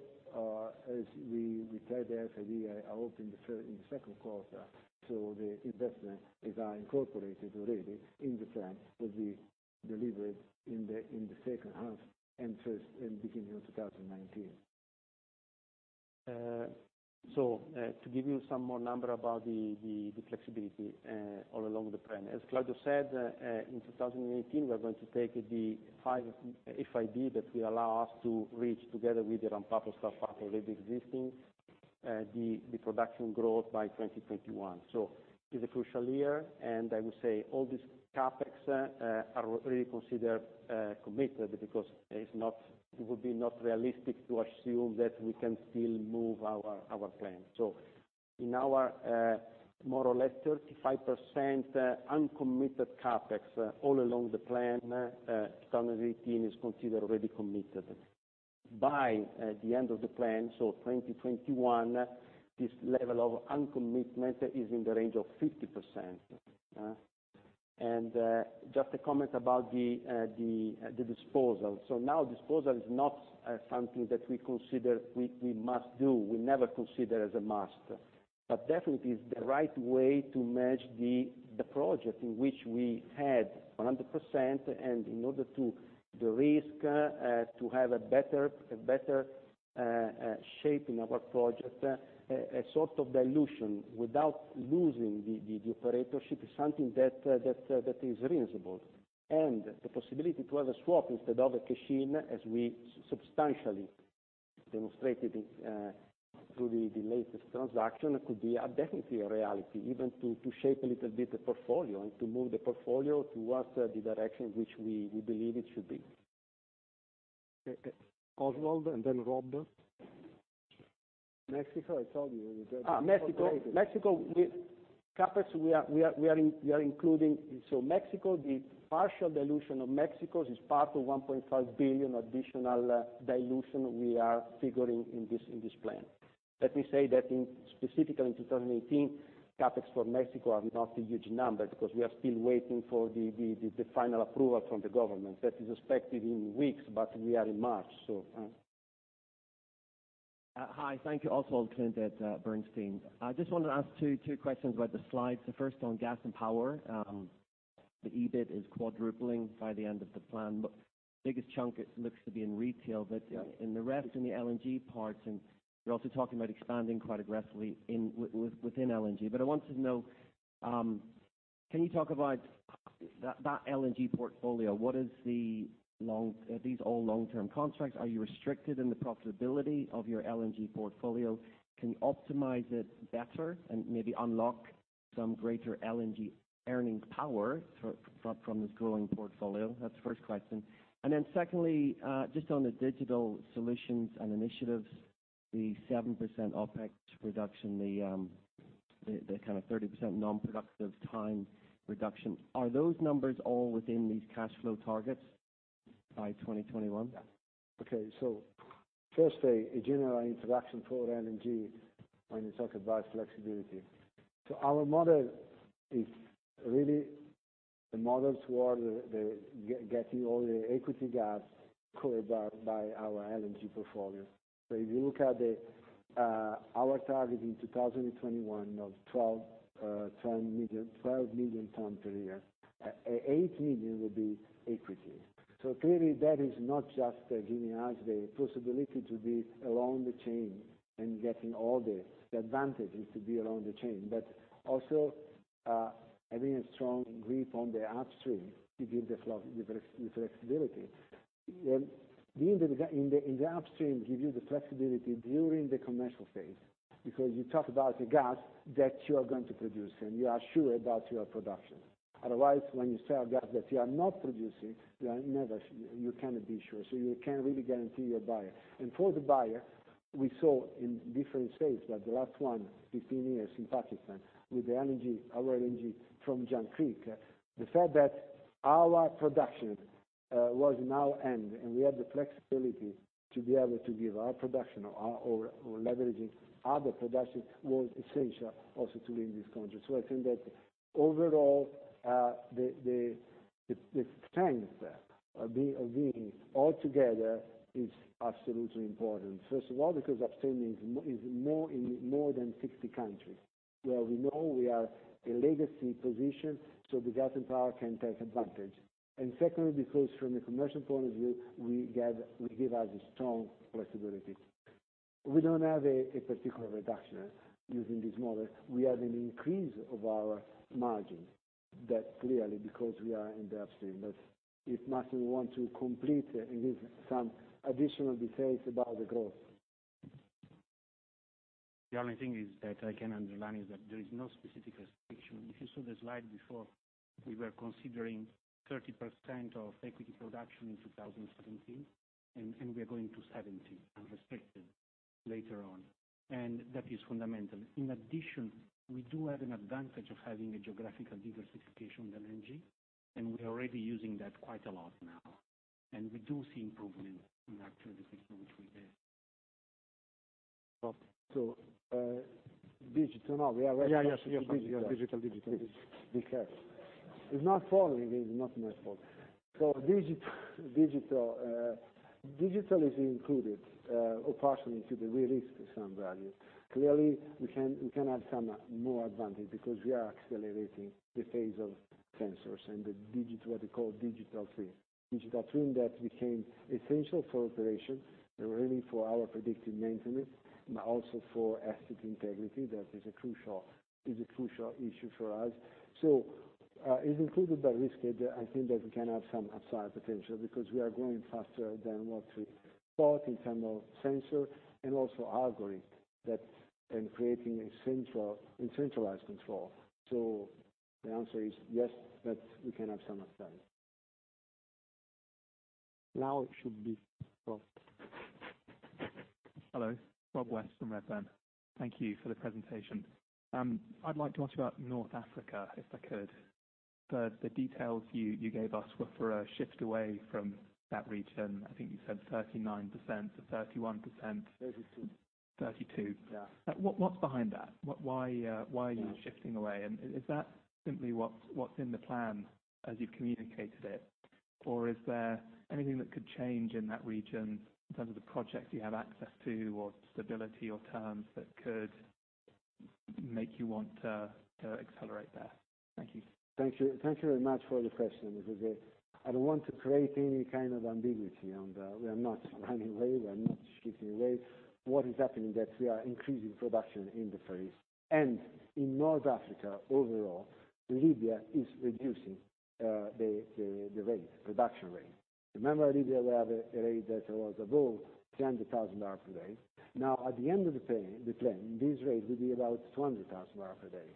E: as we prepare the FID, I hope in the second quarter, the investments are incorporated already in the plan, will be delivered in the second half and beginning of 2019.
B: To give you some more numbers about the flexibility all along the plan, as Claudio said, in 2018, we are going to take the five FID that will allow us to reach, together with the ramp-up of start-ups already existing, the production growth by 2021. It's a crucial year, I would say all these CapEx are really considered committed because it would be not realistic to assume that we can still move our plan. In our more or less 35% uncommitted CapEx all along the plan, 2018 is considered already committed. By the end of the plan, 2021, this level of uncommitment is in the range of 50%. Just a comment about the disposal. Now disposal is not something that we consider we must do. We never consider as a must, definitely is the right way to manage the project in which we had 100%, in order to de-risk, to have a better shape in our project, a sort of dilution without losing the operatorship is something that is reasonable. The possibility to have a swap instead of a cash in, as we substantially demonstrated through the latest transaction, could be definitely a reality, even to shape a little bit the portfolio and to move the portfolio towards the direction which we believe it should be.
E: Oswald and then Rob. Mexico, I told you.
B: Mexico, CapEx, we are including. Mexico, the partial dilution of Mexico is part of 1.5 billion additional dilution we are figuring in this plan. Let me say that specifically in 2018, CapEx for Mexico are not a huge number because we are still waiting for the final approval from the government. That is expected in weeks, but we are in March.
G: Hi. Thank you. Oswald Clint at Bernstein. I just wanted to ask two questions about the slides. The first on gas and power. The EBIT is quadrupling by the end of the plan, but biggest chunk it looks to be in retail, in the rest, in the LNG parts, and you're also talking about expanding quite aggressively within LNG. I wanted to know, can you talk about that LNG portfolio? Are these all long-term contracts? Are you restricted in the profitability of your LNG portfolio? Can you optimize it better and maybe unlock some greater LNG earning power from this growing portfolio? That's the first question. Secondly, just on the digital solutions and initiatives, the 7% OpEx reduction, the kind of 30% non-productive time reduction. Are those numbers all within these cash flow targets? By 2021?
A: Yeah. Okay. Firstly, a general introduction for LNG when you talk about flexibility. Our model is really the model toward getting all the equity gap covered by our LNG portfolio. If you look at our target in 2021 of 12 million ton per year, eight million will be equity. Clearly, that is not just giving us the possibility to be along the chain and getting all the advantages to be along the chain, but also having a strong grip on the upstream to give the flexibility. In the upstream, give you the flexibility during the commercial phase, because you talk about the gas that you are going to produce, and you are sure about your production. Otherwise, when you sell gas that you are not producing, you cannot be sure, so you cannot really guarantee your buyer. For the buyer, we saw in different phases, but the last one, 15 years in Pakistan, with our LNG from Jangkrik, the fact that our production was on hand, and we had the flexibility to be able to give our production or leveraging other production, was essential also to win this contract. I think that overall, the strength of being all together is absolutely important. First of all, because upstream is more than 60 countries, where we know we are a legacy position, so the gas and power can take advantage. Secondly, because from a commercial point of view, we give us a strong flexibility. We do not have a particular reduction using this model. We have an increase of our margin. That is clearly because we are in the upstream. If Matthew wants to complete and give some additional details about the growth.
E: The only thing is that I can underline is that there is no specific restriction. If you saw the slide before, we were considering 30% of equity production in 2017, and we are going to 70%, unrestricted, later on. That is fundamental. In addition, we do have an advantage of having a geographical diversification with LNG, and we are already using that quite a lot now. We do see improvement in our transportation, which we did.
A: Digital. Now we are.
E: Yeah. Digital.
A: Be careful. It's not falling. It is not my fault. Digital is included, or partially included. We risk some value. Clearly, we can have some more advantage because we are accelerating the phase of sensors and what we call digital twin. Digital twin that became essential for operation, really for our predictive maintenance, but also for asset integrity, that is a crucial issue for us. It's included, but risk, I think that we can have some upside potential because we are growing faster than what we thought in terms of sensor and also algorithm and creating a centralized control. The answer is yes, that we can have some upside. Now it should be Rob.
H: Hello. Rob West from Redburn. Thank you for the presentation. I'd like to ask you about North Africa, if I could. The details you gave us were for a shift away from that region. I think you said 39% to 31%.
A: 32.
H: 32.
A: Yeah.
H: What's behind that? Why are you shifting away? Is that simply what's in the plan as you communicated it, or is there anything that could change in that region in terms of the projects you have access to or stability or terms that could make you want to accelerate there? Thank you.
A: Thank you very much for your question, Robert. I don't want to create any kind of ambiguity on that. We are not running away. We are not shifting away. What is happening is that we are increasing production in the Far East and in North Africa overall, Libya is reducing the rate, production rate. Remember, Libya, we have a rate that was above 100,000 barrel per day. Now, at the end of the plan, this rate will be about 200,000 barrel per day.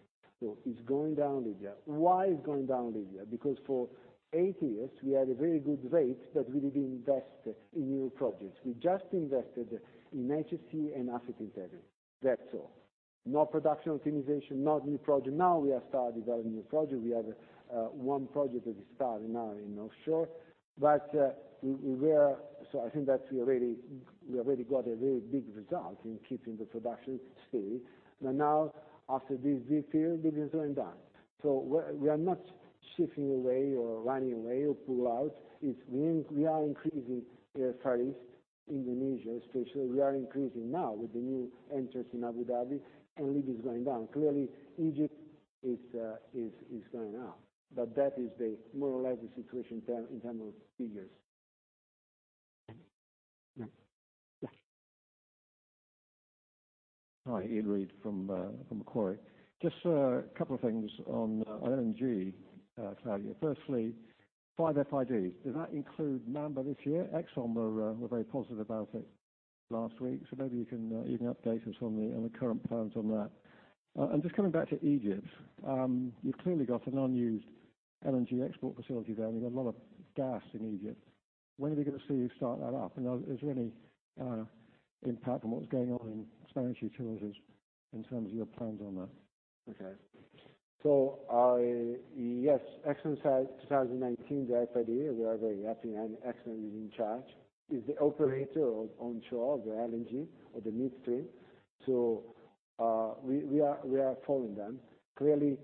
A: It's going down, Libya. Why it's going down, Libya? Because for eight years, we had a very good rate, but we didn't invest in new projects. We just invested in HSE and asset integrity. That's all. No production optimization, no new project. Now we have started developing new project. We have one project that we start now in offshore. I think that we already got a very big result in keeping the production steady. But now, after this peak year, Libya is going down. We are not shifting away or running away or pull out. We are increasing Far East, Indonesia, especially. We are increasing now with the new entrance in Abu Dhabi, and Libya is going down. Clearly, Egypt is going up. But that is the more or less the situation in term of figures. Yeah.
I: Hi. Iain Reid from Macquarie. Just a couple of things on LNG, Claudio. Firstly, five FIDs. Does that include Mamba this year? Exxon were very positive about it last week, so maybe you can update us on the current plans on that. Just coming back to Egypt, you've clearly got an unused LNG export facility there, and you've got a lot of gas in Egypt. When are we going to see you start that up? And is there any impact on what's going on in Spanish utilities in terms of your plans on that?
A: Okay. Yes, ExxonMobil said 2019, the FID, we are very happy and ExxonMobil is in charge, is the operator of onshore of the LNG or the midstream. We are following them. Clearly,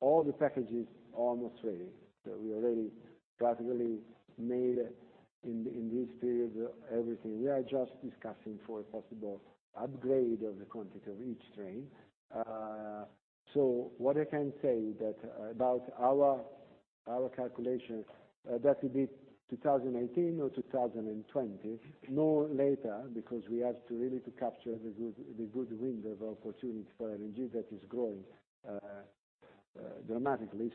A: all the packages are almost ready. We already practically made, in this period, everything. We are just discussing for a possible upgrade of the quantity of each train. What I can say about our calculation, that will be 2019 or 2020, no later, because we have to really capture the good wind of opportunity for LNG that is growing dramatically.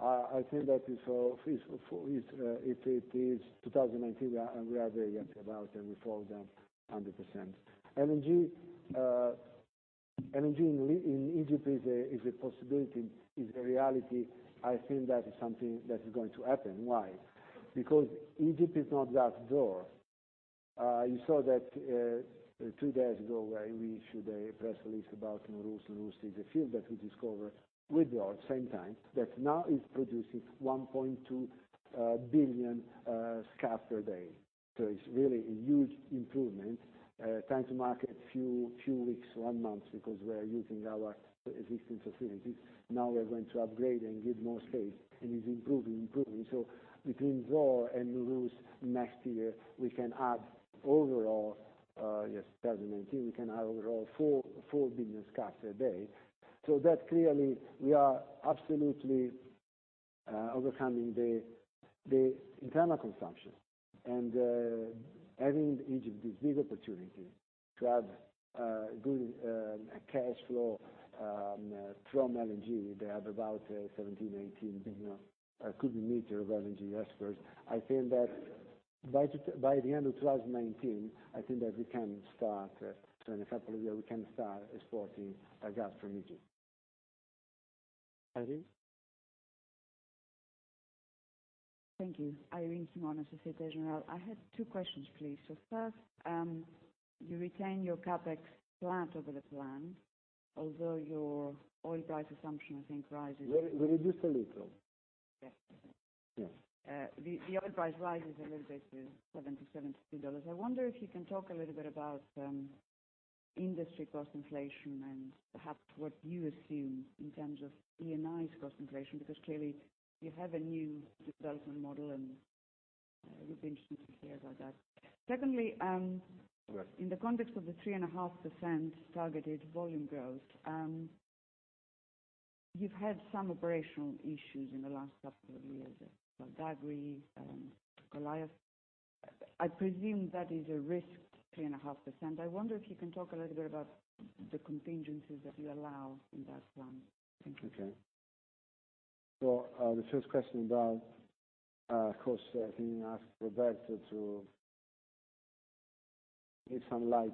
A: I think that if it is 2019, we are very happy about, and we follow them 100%. LNG in Egypt is a possibility, is a reality. I think that is something that is going to happen. Why? Because Egypt is not that poor. You saw that two days ago, we issued a press release about Nooros. Nooros is a field that we discover with Zohr same time, that now is producing 1.2 billion scfd per day. It's really a huge improvement. Time to market, few weeks, one month, because we are using our existing facilities. Now we are going to upgrade and give more space, and is improving. Between Zohr and Nooros next year, we can add overall, yes, 2019, we can add overall four billion scfd a day. That clearly, we are absolutely overcoming the internal consumption. Having Egypt is big opportunity to have good cash flow from LNG. They have about 17, 18 billion cubic meter of LNG exports. I think that by the end of 2019, I think that we can start, in a couple of years, we can start exporting gas from Egypt. Irene?
J: Thank you. Irene Himona, Société Générale. I had two questions, please. First, you retain your CapEx flat over the plan, although your oil price assumption, I think, rises.
A: We reduce a little.
J: Yes.
A: Yeah.
J: The oil price rises a little bit to 70, EUR 72. I wonder if you can talk a little bit about industry cost inflation and perhaps what you assume in terms of Eni's cost inflation, because clearly you have a new development model, and it would be interesting to hear about that. Secondly-
A: Right
J: in the context of the 3.5% targeted volume growth, you've had some operational issues in the last couple of years at Val d'Agri, Goliat. I presume that is a risk, 3.5%. I wonder if you can talk a little bit about the contingencies that you allow in that plan. Thank you.
A: Okay. The first question about cost, I think I'll ask Roberto to give some light.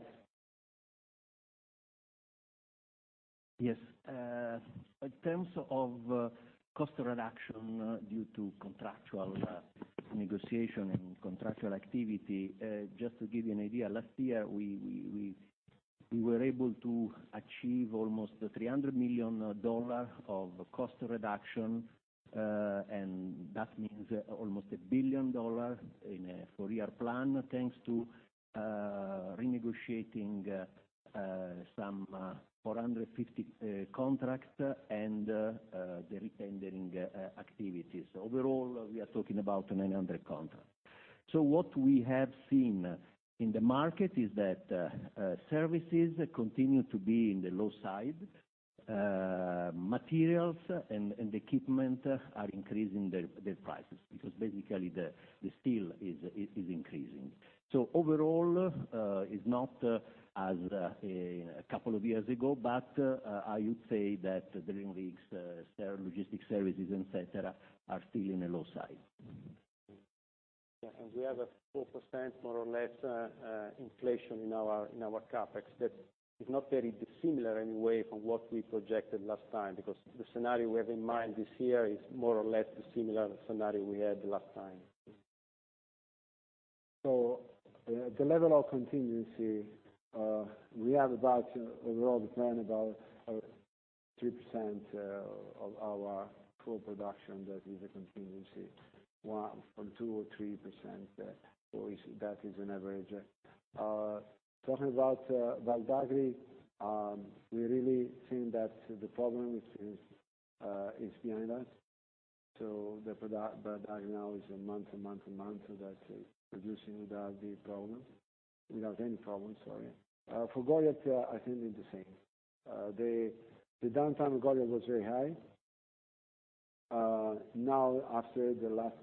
E: Yes. In terms of cost reduction due to contractual negotiation and contractual activity, just to give you an idea, last year, we were able to achieve almost EUR 300 million of cost reduction. That means almost EUR 1 billion in a four-year plan, thanks to renegotiating some 450 contracts and the re-tendering activities. Overall, we are talking about 900 contracts. What we have seen in the market is that services continue to be in the low side. Materials and equipment are increasing their prices, because basically the steel is increasing. Overall, is not as a couple of years ago, but I would say that drilling rigs, logistics services, et cetera, are still in a low side.
A: Yeah, we have 4%, more or less, inflation in our CapEx. That is not very dissimilar in any way from what we projected last time, because the scenario we have in mind this year is more or less the similar scenario we had last time. The level of contingency, we have about, overall the plan, about 3% of our full production, that is a contingency, from 2% or 3%, that is an average. Talking about Val d'Agri, we really think that the problem is behind us. Val d'Agri now is a month to month. That's producing without any problems. For Goliat, I think it's the same. The downtime of Goliat was very high. Now after the last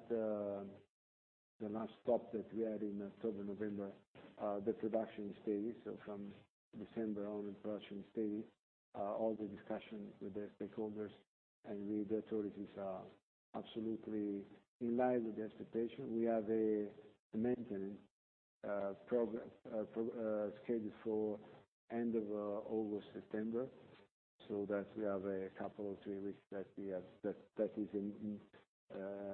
A: stop that we had in October, November, the production is steady. From December on, the production is steady. All the discussions with the stakeholders and with the authorities are absolutely in line with the expectation. We have a maintenance schedule for end of August, September, so that we have a couple or three weeks that is in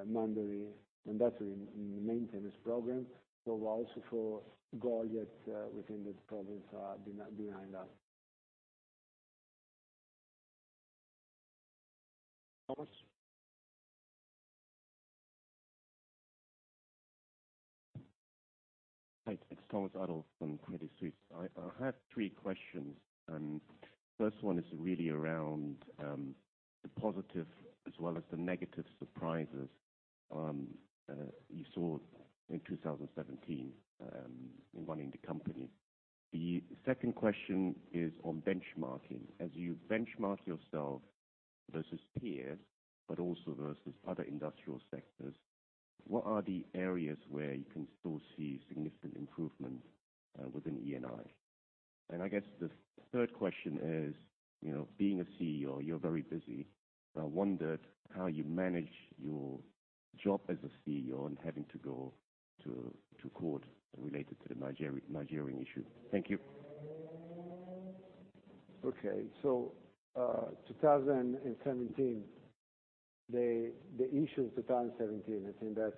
A: mandatory maintenance program. Also for Goliat, we think the problems are behind us. Thomas?
K: Hi, it's Thomas Adolff from Credit Suisse. I have three questions. First one is really around the positive as well as the negative surprises you saw in 2017 in running the company. The second question is on benchmarking. As you benchmark yourself versus peers, but also versus other industrial sectors, what are the areas where you can still see significant improvement within Eni? I guess the third question is, being a CEO, you're very busy. I wondered how you manage your job as a CEO and having to go to court related to the Nigerian issue. Thank you.
A: Okay. 2017, the issues in 2017, I think that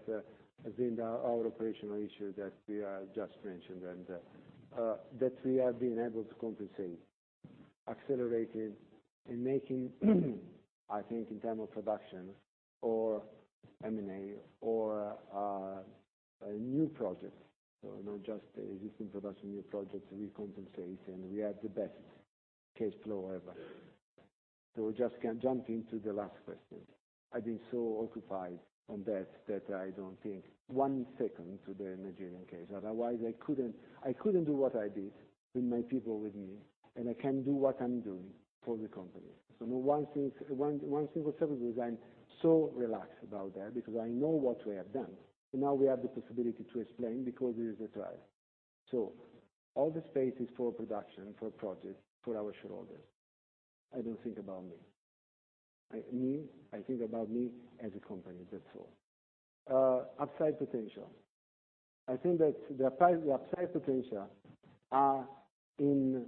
A: has been our operational issue that we have just mentioned, and that we have been able to compensate, accelerated, and making, I think in term of production or M&A or a new project. Not just existing production, new projects, we compensate, and we have the best cash flow ever. Just can jump into the last question. I've been so occupied on that I don't think one second to the Nigerian case. Otherwise, I couldn't do what I did with my people, with me, and I can't do what I'm doing for the company. One thing was certain was I'm so relaxed about that because I know what we have done. Now we have the possibility to explain, because there is a trial. All the space is for production, for projects, for our shareholders. I don't think about me. Me, I think about me as a company, that's all. Upside potential. I think that the upside potential are in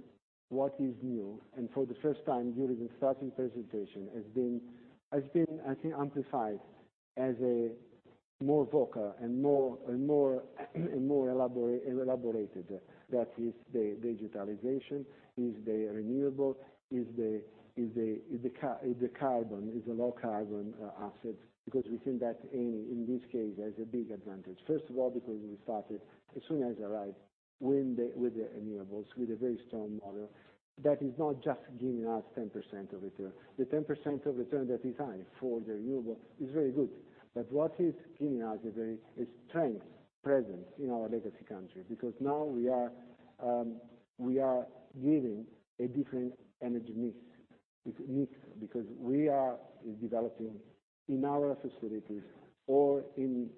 A: what is new, for the first time during the starting presentation, has been I think amplified as a more vocal and more elaborated. That is the digitalization, is the renewable, is the carbon, is the low carbon assets. We think that Eni, in this case, has a big advantage. First of all, because we started as soon as I arrived with the renewables, with a very strong model. That is not just giving us 10% of return. The 10% of return that is high for the renewable is very good, but what is giving us a very strong presence in our legacy country, because now we are giving a different energy mix. Mix. We are developing in our facilities or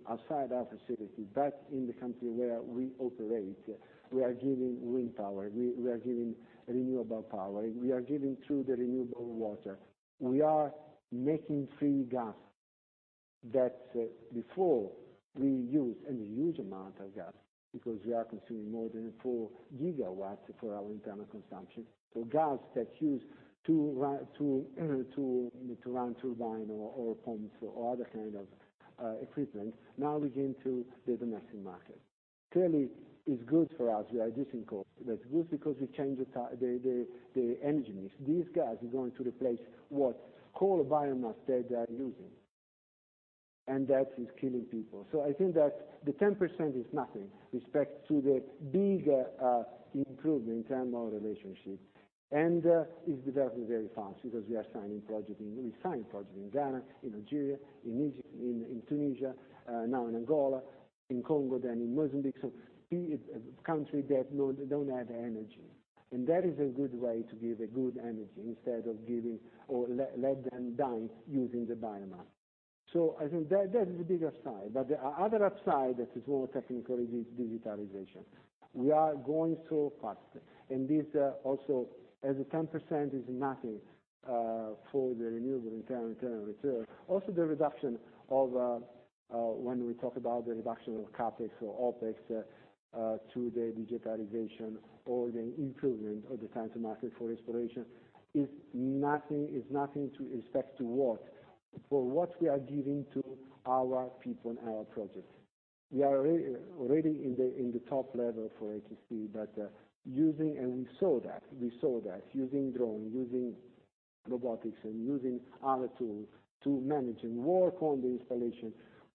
A: outside our facilities, but in the country where we operate, we are giving wind power, we are giving renewable power, we are giving through the renewable water. We are making free gas. That before we use, and a huge amount of gas, because we are consuming more than 4 gigawatts for our internal consumption. Gas that use to run turbine or pumps or other kind of equipment, now begin to be the Mexican market. Clearly, it's good for us. We are reducing cost. That's good because we change the energy mix. This gas is going to replace what coal biomass that they are using, and that is killing people. I think that the 10% is nothing respect to the big improvement in terms of relationship. It's developing very fast because we are signing project in Ghana, in Nigeria, in Egypt, in Tunisia, now in Angola, in Congo, then in Mozambique. Country that don't have energy. That is a good way to give a good energy instead of giving or let them die using the biomass. I think that is the bigger side. The other upside that is more technical is digitalization. We are going so fast, and this also as a 10% is nothing, for the renewable in terms of return. Also, the reduction of, when we talk about the reduction of CapEx or OpEx, to the digitalization or the improvement of the time to market for exploration is nothing to respect to what, for what we are giving to our people and our projects. We are already in the top level for HSE, using drone, using robotics, and using other tools to manage and work on the installation.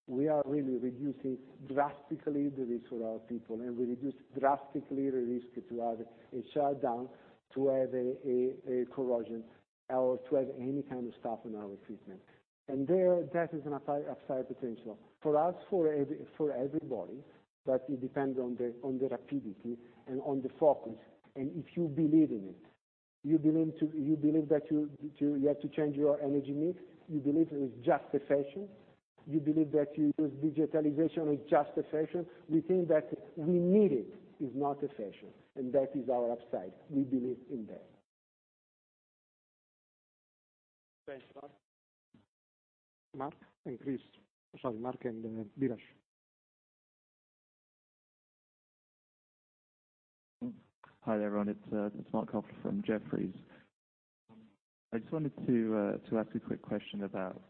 A: We are really reducing drastically the risk for our people, and we reduce drastically the risk to have a shutdown, to have a corrosion, or to have any kind of stop in our equipment. There, that is an upside potential. For us, for everybody, but it depends on the rapidity and on the focus, and if you believe in it. You believe that you have to change your energy mix. You believe it is just a fashion. You believe that you use digitalization is just a fashion. We think that we need it, is not a fashion, and that is our upside. We believe in that. Thanks, Thomas. Mark and Chris. Sorry, Mark and Biraj.
L: Hi there, everyone. It's Mark Coughler from Jefferies. I just wanted to ask a quick question about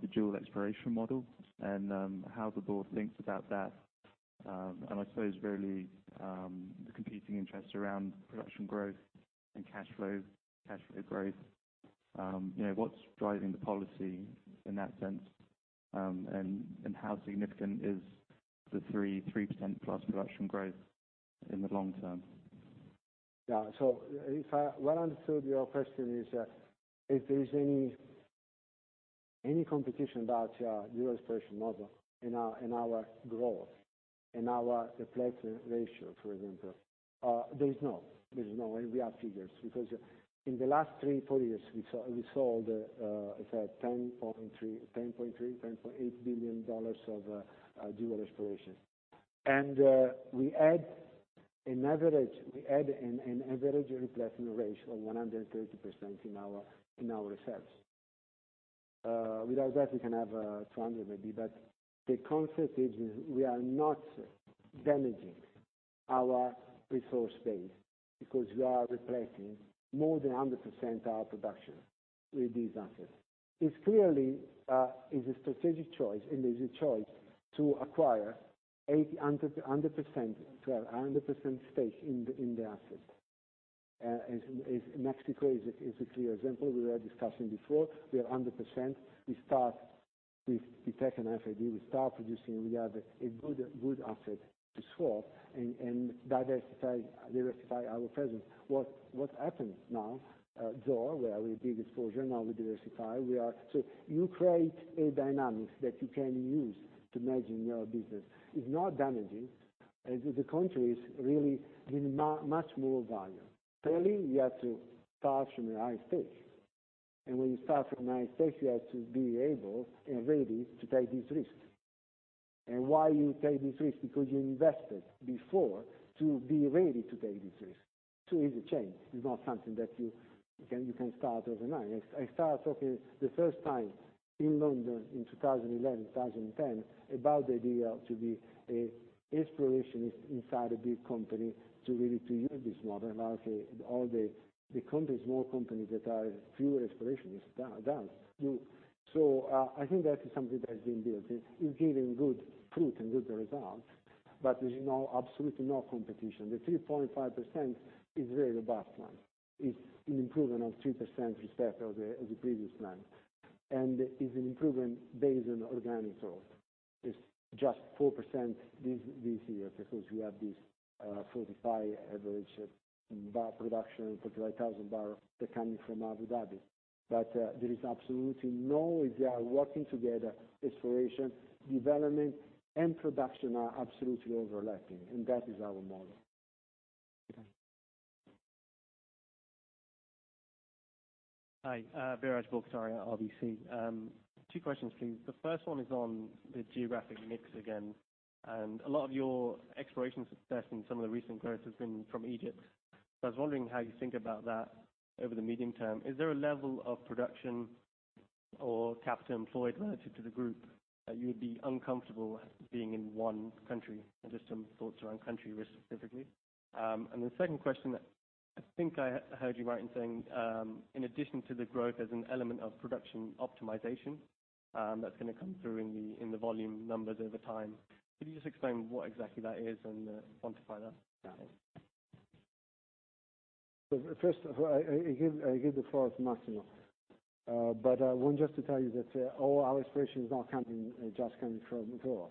L: the dual exploration model and how the board thinks about that. I suppose really, the competing interests around production growth and cash flow growth. What's driving the policy in that sense, and how significant is the 3% plus production growth in the long term?
A: Yeah. If I well understood, your question is, if there is any competition about Dual Exploration Model in our growth, in our replacement ratio, for example. There is no, we have figures because in the last 3, 4 years, we sold, it's at $10.3 billion, $10.8 billion of Dual Exploration. We had an average replacement ratio of 130% in our reserves. Without that, we can have 200 maybe, but the concept is, we are not damaging our resource base because we are replacing more than 100% our production with these assets. It clearly is a strategic choice, it is a choice to acquire 100% stake in the asset. Mexico is a clear example we were discussing before. We are 100%. We take an FID, we start producing, we have a good asset to swap and diversify our presence. What happens now, Zohr, where we have a big exposure, now we diversify. You create a dynamic that you can use to manage your business. It's not damaging. The country is really giving much more value. Clearly, you have to start from a high stake. When you start from a high stake, you have to be able and ready to take this risk. Why you take this risk? Because you invested before to be ready to take this risk. It is a change. It's not something that you can start overnight. I started talking the first time in London in 2011, 2010, about the idea to be an explorationist inside a big company to really use this model. All the countries, small companies that are fewer explorations does. I think that is something that is being built. It's giving good fruit and good results, there's absolutely no competition. The 3.5% is very robust one. It's an improvement of 3% respect of the previous plan, is an improvement based on organic growth. It's just 4% this year because you have this 45 average barrel production, 45,000 barrel that coming from Abu Dhabi. There is absolutely no, if they are working together, exploration, development, and production are absolutely overlapping, and that is our model.
L: Okay.
M: Hi, Biraj Borkhataria, RBC. Two questions, please. The first one is on the geographic mix again. A lot of your exploration success in some of the recent growth has been from Egypt. I was wondering how you think about that over the medium term. Is there a level of production or capital employed relative to the group that you would be uncomfortable being in one country? Just some thoughts around country risk specifically. The second question, I think I heard you right in saying, in addition to the growth, there's an element of production optimization that's going to come through in the volume numbers over time. Could you just explain what exactly that is and quantify that?
A: First of all, I give the floor to Massimo. I want just to tell you that all our exploration is not just coming from Zohr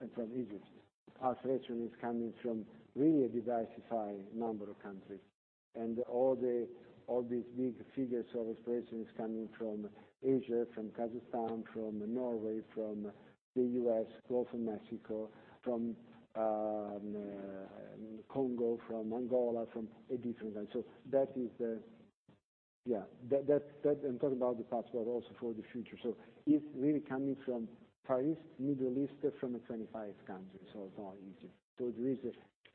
A: and from Egypt. Our exploration is coming from really a diversified number of countries. All these big figures of exploration is coming from Asia, from Kazakhstan, from Norway, from the U.S., also Mexico, from Congo, from Angola, from a different country. I'm talking about the past, but also for the future. It's really coming from Middle East, from 25 countries, it's not Egypt. There is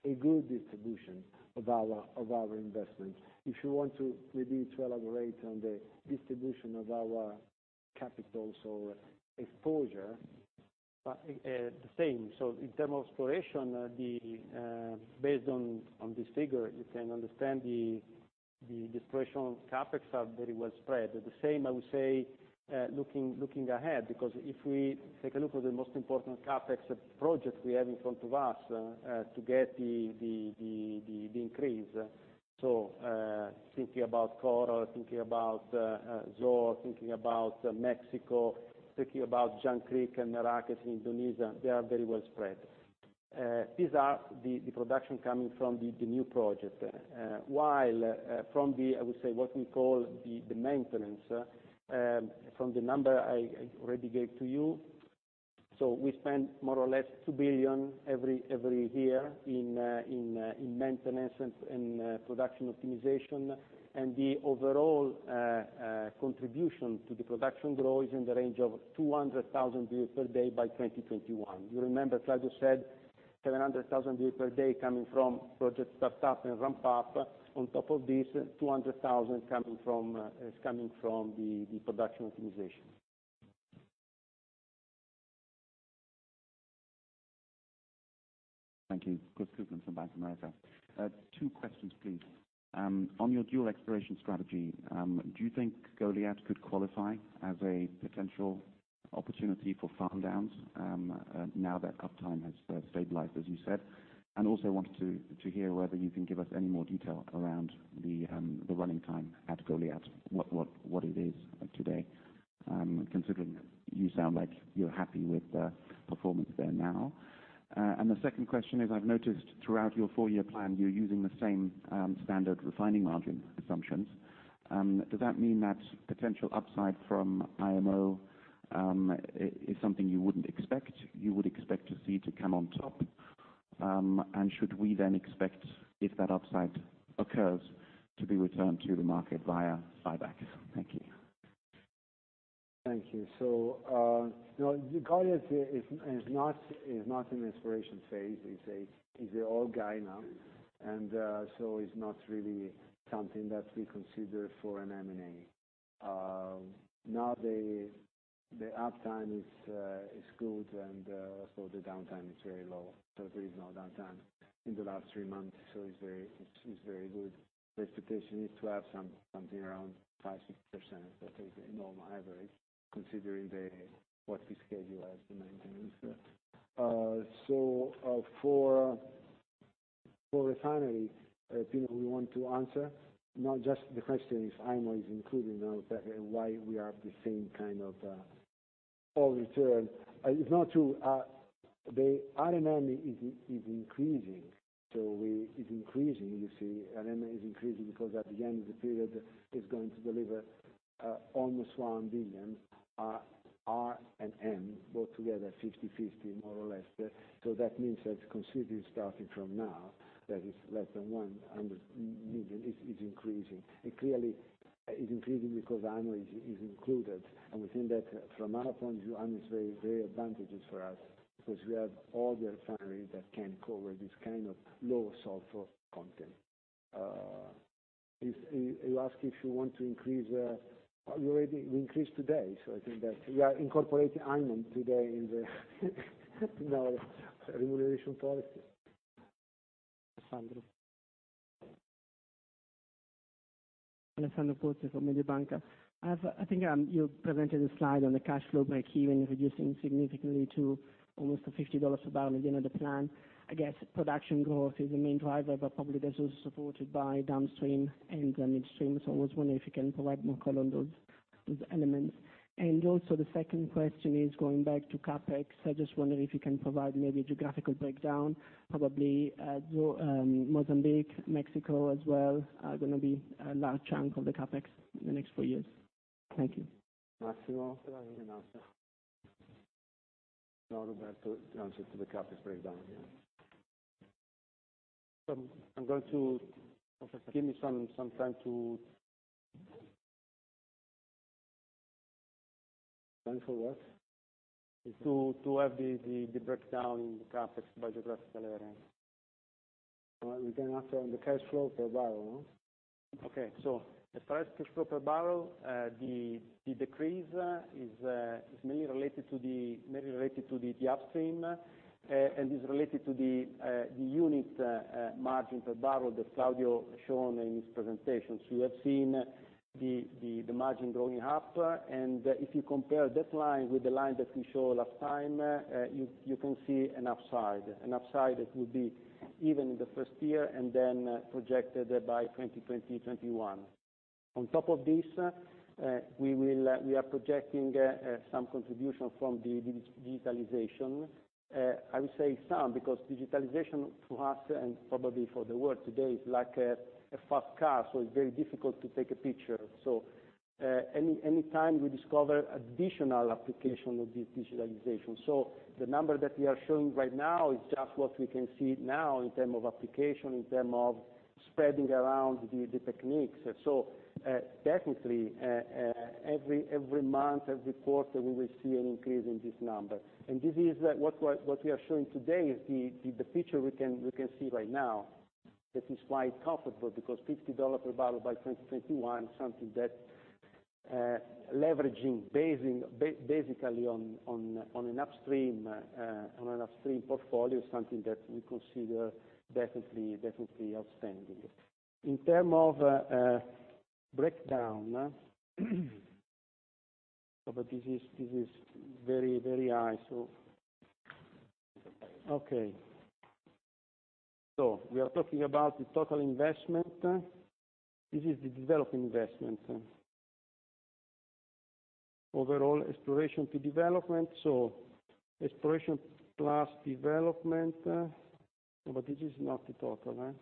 A: a good distribution of our investment. If you want to maybe to elaborate on the distribution of our capital, so exposure.
B: The same. In terms of exploration, based on this figure, you can understand the exploration CapEx are very well spread. The same, I would say, looking ahead, because if we take a look at the most important CapEx projects we have in front of us to get the increase. Thinking about Coral, thinking about Zohr, thinking about Mexico, thinking about Jangkrik and Merakes in Indonesia, they are very well spread. These are the production coming from the new project. While from the, I would say, what we call the maintenance, from the number I already gave to you, we spend more or less 2 billion every year in maintenance and production optimization, and the overall contribution to the production growth is in the range of 200,000 barrel per day by 2021. You remember Claudio said 700,000 barrel per day coming from project startup and ramp up. On top of this, 200,000 is coming from the production optimization.
N: Thank you. Scott Cooper from Bank of America. 2 questions, please. On your dual exploration strategy, do you think Goliat could qualify as a potential opportunity for farm-downs now that uptime has stabilized, as you said. Also wanted to hear whether you can give us any more detail around the running time at Goliat, what it is today, considering you sound like you're happy with the performance there now. The second question is, I've noticed throughout your 4-year plan, you're using the same standard refining margin assumptions. Does that mean that potential upside from IMO is something you would expect to see to come on top? Should we then expect, if that upside occurs, to be returned to the market via buybacks? Thank you.
A: Thank you. No, Goliat is not in the exploration phase. It's an old guy now, it's not really something that we consider for an M&A. The uptime is good, the downtime is very low. There is no downtime in the last three months. It's very good. The expectation is to have something around 5%-6%, that is a normal average considering what we schedule as the maintenance. For refinery, Pino, you want to answer? Just the question is IMO is included now, that why we are the same kind of oil return. It's not true. The R&M is increasing. It's increasing, you see. R&M is increasing because at the end of the period, it's going to deliver almost 1 billion, R&M both together, 50/50 more or less. That means that considering starting from now, that is less than 100 million, it's increasing. It clearly is increasing because IMO is included, we think that from our point of view, IMO is very advantageous for us because we have all the refineries that can cover this kind of low sulfur content. You ask if you want to increase? We increased today. I think that we are incorporating IMO today in the remuneration policy. Alessandro.
O: Alessandro Pozzi from Mediobanca. You presented a slide on the cash flow break-even reducing significantly to almost to 50 dollars a barrel at the end of the plan. Production growth is the main driver, probably that's also supported by downstream and midstream. I was wondering if you can provide more color on those elements. The second question is going back to CapEx. Can you provide a geographical breakdown, probably Mozambique, Mexico as well, are going to be a large chunk of the CapEx in the next four years. Thank you.
A: Massimo, can you answer? Roberto answer to the CapEx breakdown.
B: Give me some time to Time for what? To have the breakdown in the CapEx by geographical area. We can answer on the cash flow per barrel, no? Okay. As far as cash flow per barrel, the decrease is mainly related to the upstream, and is related to the unit margin per barrel that Claudio shown in his presentation. You have seen the margin going up, and if you compare that line with the line that we show last time, you can see an upside. An upside that will be even in the first year and then projected by 2021. On top of this, we are projecting some contribution from the digitalization. I would say some, because digitalization for us and probably for the world today is like a fast car, so it's very difficult to take a picture. Anytime we discover additional application of this digitalization. The number that we are showing right now is just what we can see now in terms of application, in terms of spreading around the techniques. Definitely, every month, every quarter, we will see an increase in this number. What we are showing today is the picture we can see right now, that is quite comfortable because $50 per barrel by 2021, something that leveraging, basically on an upstream portfolio, is something that we consider definitely outstanding. In terms of breakdown, this is very high. Okay. We are talking about the total investment. This is the developed investment. Overall exploration to development. Exploration plus development. This is not the total, right?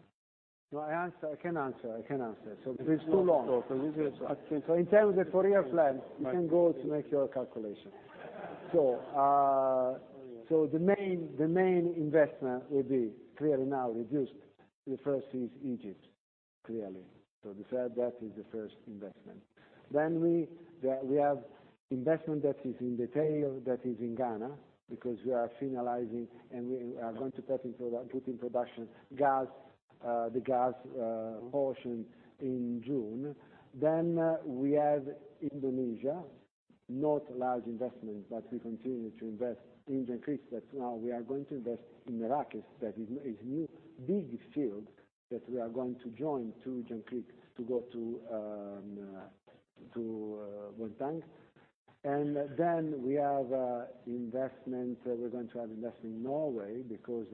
B: I can answer. It is too long.
A: In terms of the four-year plan, you can go to make your calculation. The main investment will be clearly now reduced. The first is Egypt, clearly. That is the first investment. We have investment that is in detail, that is in Ghana because we are finalizing, and we are going to put in production the gas portion in June. We have Indonesia, not large investment, but we continue to invest in Jangkrik. Now we are going to invest in Merakes. That is new big field that we are going to join to Jangkrik to go to Wuhan. We have investment. We're going to have investment in Norway, because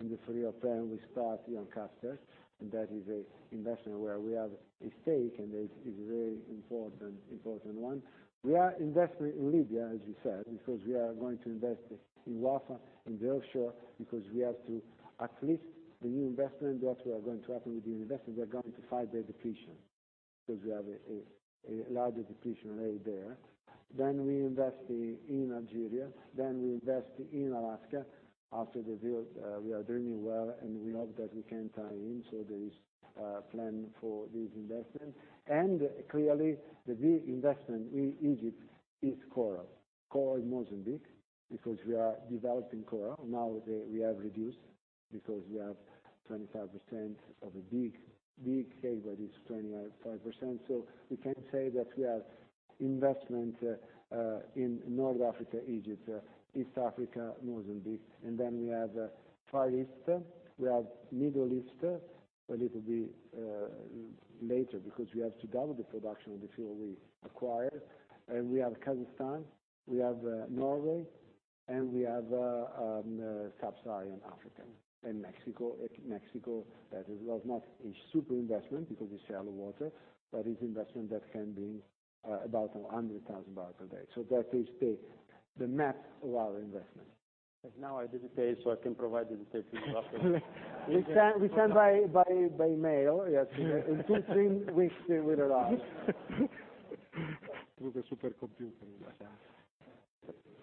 A: in the three-year plan, we start Johan Castberg, and that is an investment where we have a stake, and it is a very important one. We are investing in Libya, as you said, because we are going to invest in Wafa, in the offshore, because we have to at least the new investment, what we are going to happen with the investment, we are going to fight the depletion, because we have a larger depletion rate there. We invest in Algeria, we invest in Alaska. After the deal, we are doing well, we hope that we can tie in, there is a plan for this investment. Clearly, the big investment in Egypt is Coral. Coral Mozambique, because we are developing Coral. Now we have reduced because we have 25% of a big, big stake, but it's 25%. We can say that we have investment in North Africa, Egypt, East Africa, Mozambique. We have Far East, we have Middle East, a little bit later, because we have to double the production of the fuel we acquired. We have Kazakhstan, we have Norway, and we have Sub-Saharan Africa and Mexico. Mexico, that was not a super investment because it is shallow water, but it is investment that can bring about 100,000 barrels a day. That is the map of our investment.
B: I did the page, so I can provide the details after.
A: We can by mail. Yes. In two, three weeks it will arrive.
B: Through the supercomputer.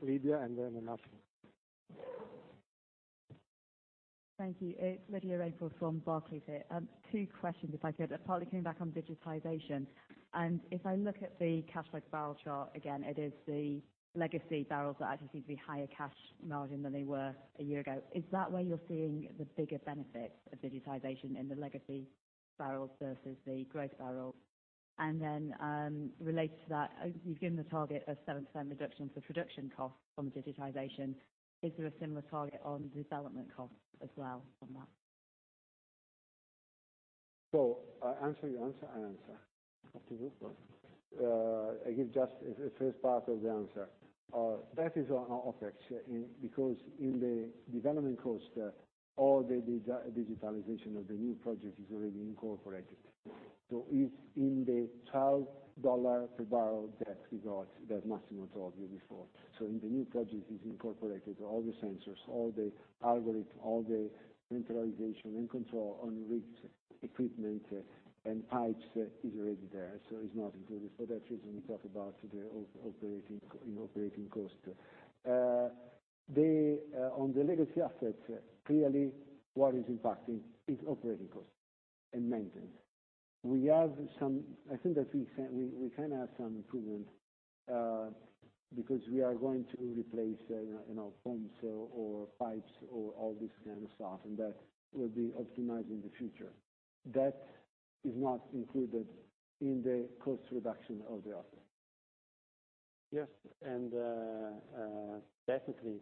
B: Libya.
P: Thank you. It's Lydia Rainforth from Barclays here. Two questions, if I could. Partly coming back on digitization. If I look at the cash by barrel chart, again, it is the legacy barrels that actually seem to be higher cash margin than they were a year ago. Is that where you're seeing the bigger benefit of digitization in the legacy barrels versus the growth barrels? Then, related to that, you've given the target of 7% reduction for production costs from digitization. Is there a similar target on development costs as well on that?
A: Answer your answer, I answer. Up to you. I give just the first part of the answer. That is on OpEx, because in the development cost, all the digitalization of the new project is already incorporated. It's in the EUR 12 per barrel that we got, that Massimo told you before. In the new project, it's incorporated all the sensors, all the algorithm, all the centralization, and control on rigs, equipment, and pipes is already there, so it's not included. For that reason, we talk about in operating cost. On the legacy assets, clearly what is impacting is operating costs and maintenance. I think that we kind of have some improvements, because we are going to replace pumps or pipes or all this kind of stuff, and that will be optimized in the future. That is not included in the cost reduction of the asset.
B: Yes. Definitely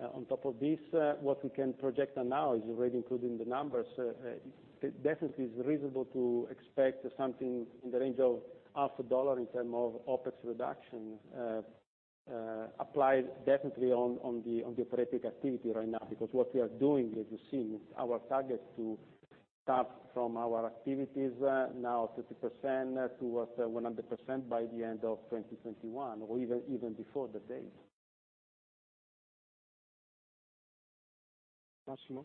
B: on top of this, what we can project now is already included in the numbers. Definitely is reasonable to expect something in the range of half a dollar in term of OpEx reduction applied definitely on the operating activity right now, because what we are doing, as you've seen, our target to start from our activities now 30% towards 100% by the end of 2021 or even before the date. Massimo?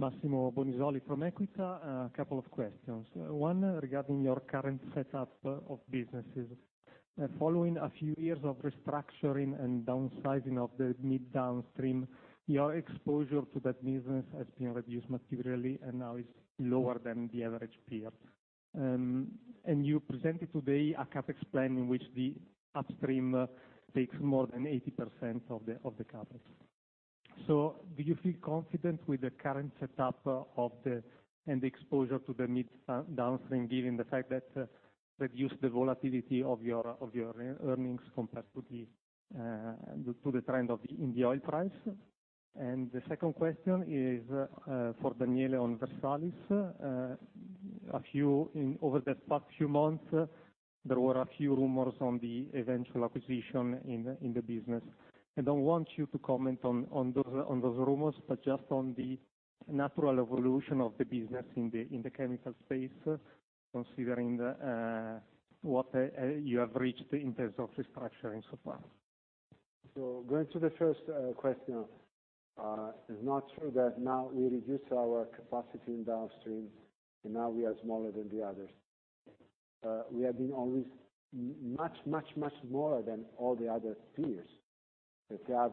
Q: Massimo Bonisoli from Equita. A couple of questions. One, regarding your current setup of businesses. Following a few years of restructuring and downsizing of the mid downstream, your exposure to that business has been reduced materially and now is lower than the average peer. You presented today a CapEx plan in which the upstream takes more than 80% of the CapEx. Do you feel confident with the current setup and the exposure to the mid downstream, given the fact that reduce the volatility of your earnings compared to the trend in the oil price? The second question is for Daniele on Versalis. Over the past few months, there were a few rumors on the eventual acquisition in the business. I don't want you to comment on those rumors, just on the natural evolution of the business in the chemical space, considering what you have reached in terms of restructuring so far.
A: Going to the first question. It's not true that now we reduce our capacity in downstream, and now we are smaller than the others. We have been always much smaller than all the other peers, because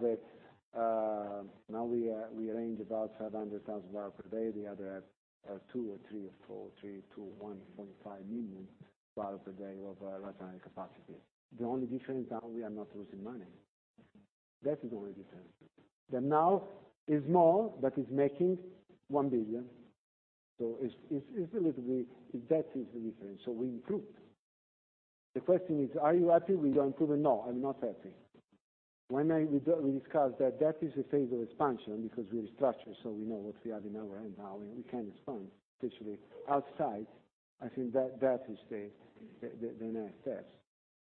A: now we range about 700,000 barrels per day. The other have 2 or 3 or 4, 3, 2, 1.5 million barrels per day of refining capacity. The only difference now, we are not losing money. That is the only difference. That now is small, but it's making 1 billion. That is the difference. We improved. The question is, are you happy with your improvement? No, I'm not happy. When we discuss that is a phase of expansion because we restructure, so we know what we have in our hand now, and we can expand, especially outside. I think that is the next step.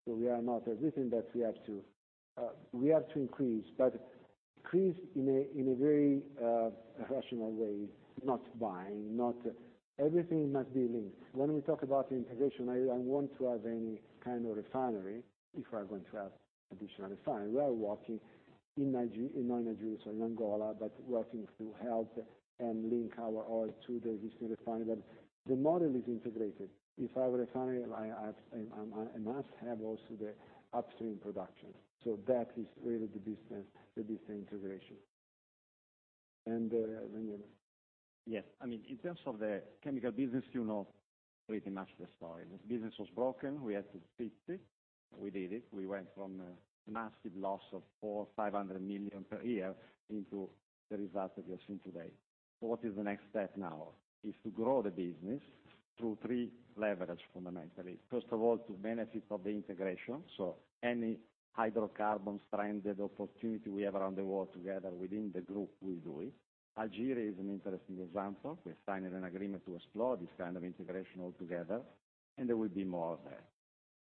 A: We are not admitting that we have to increase, but increase in a very rational way, not buying. Everything must be linked. When we talk about integration, I don't want to have any kind of refinery if we are going to have additional refinery. We are working in Nigeria, so in Angola, but working to help and link our oil to the existing refinery. The model is integrated. If I have a refinery, I must have also the upstream production. That is really the business integration. Then, Daniele.
E: Yes. In terms of the chemical business, you know pretty much the story. This business was broken, we had to fix it. We did it. We went from a massive loss of 400 million, 500 million per year into the result that you're seeing today. What is the next step now? It's to grow the business through three leverage, fundamentally. First of all, to benefit from the integration. Any hydrocarbon stranded opportunity we have around the world together within the group, we do it. Algeria is an interesting example. We signed an agreement to explore this kind of integration altogether, and there will be more of that.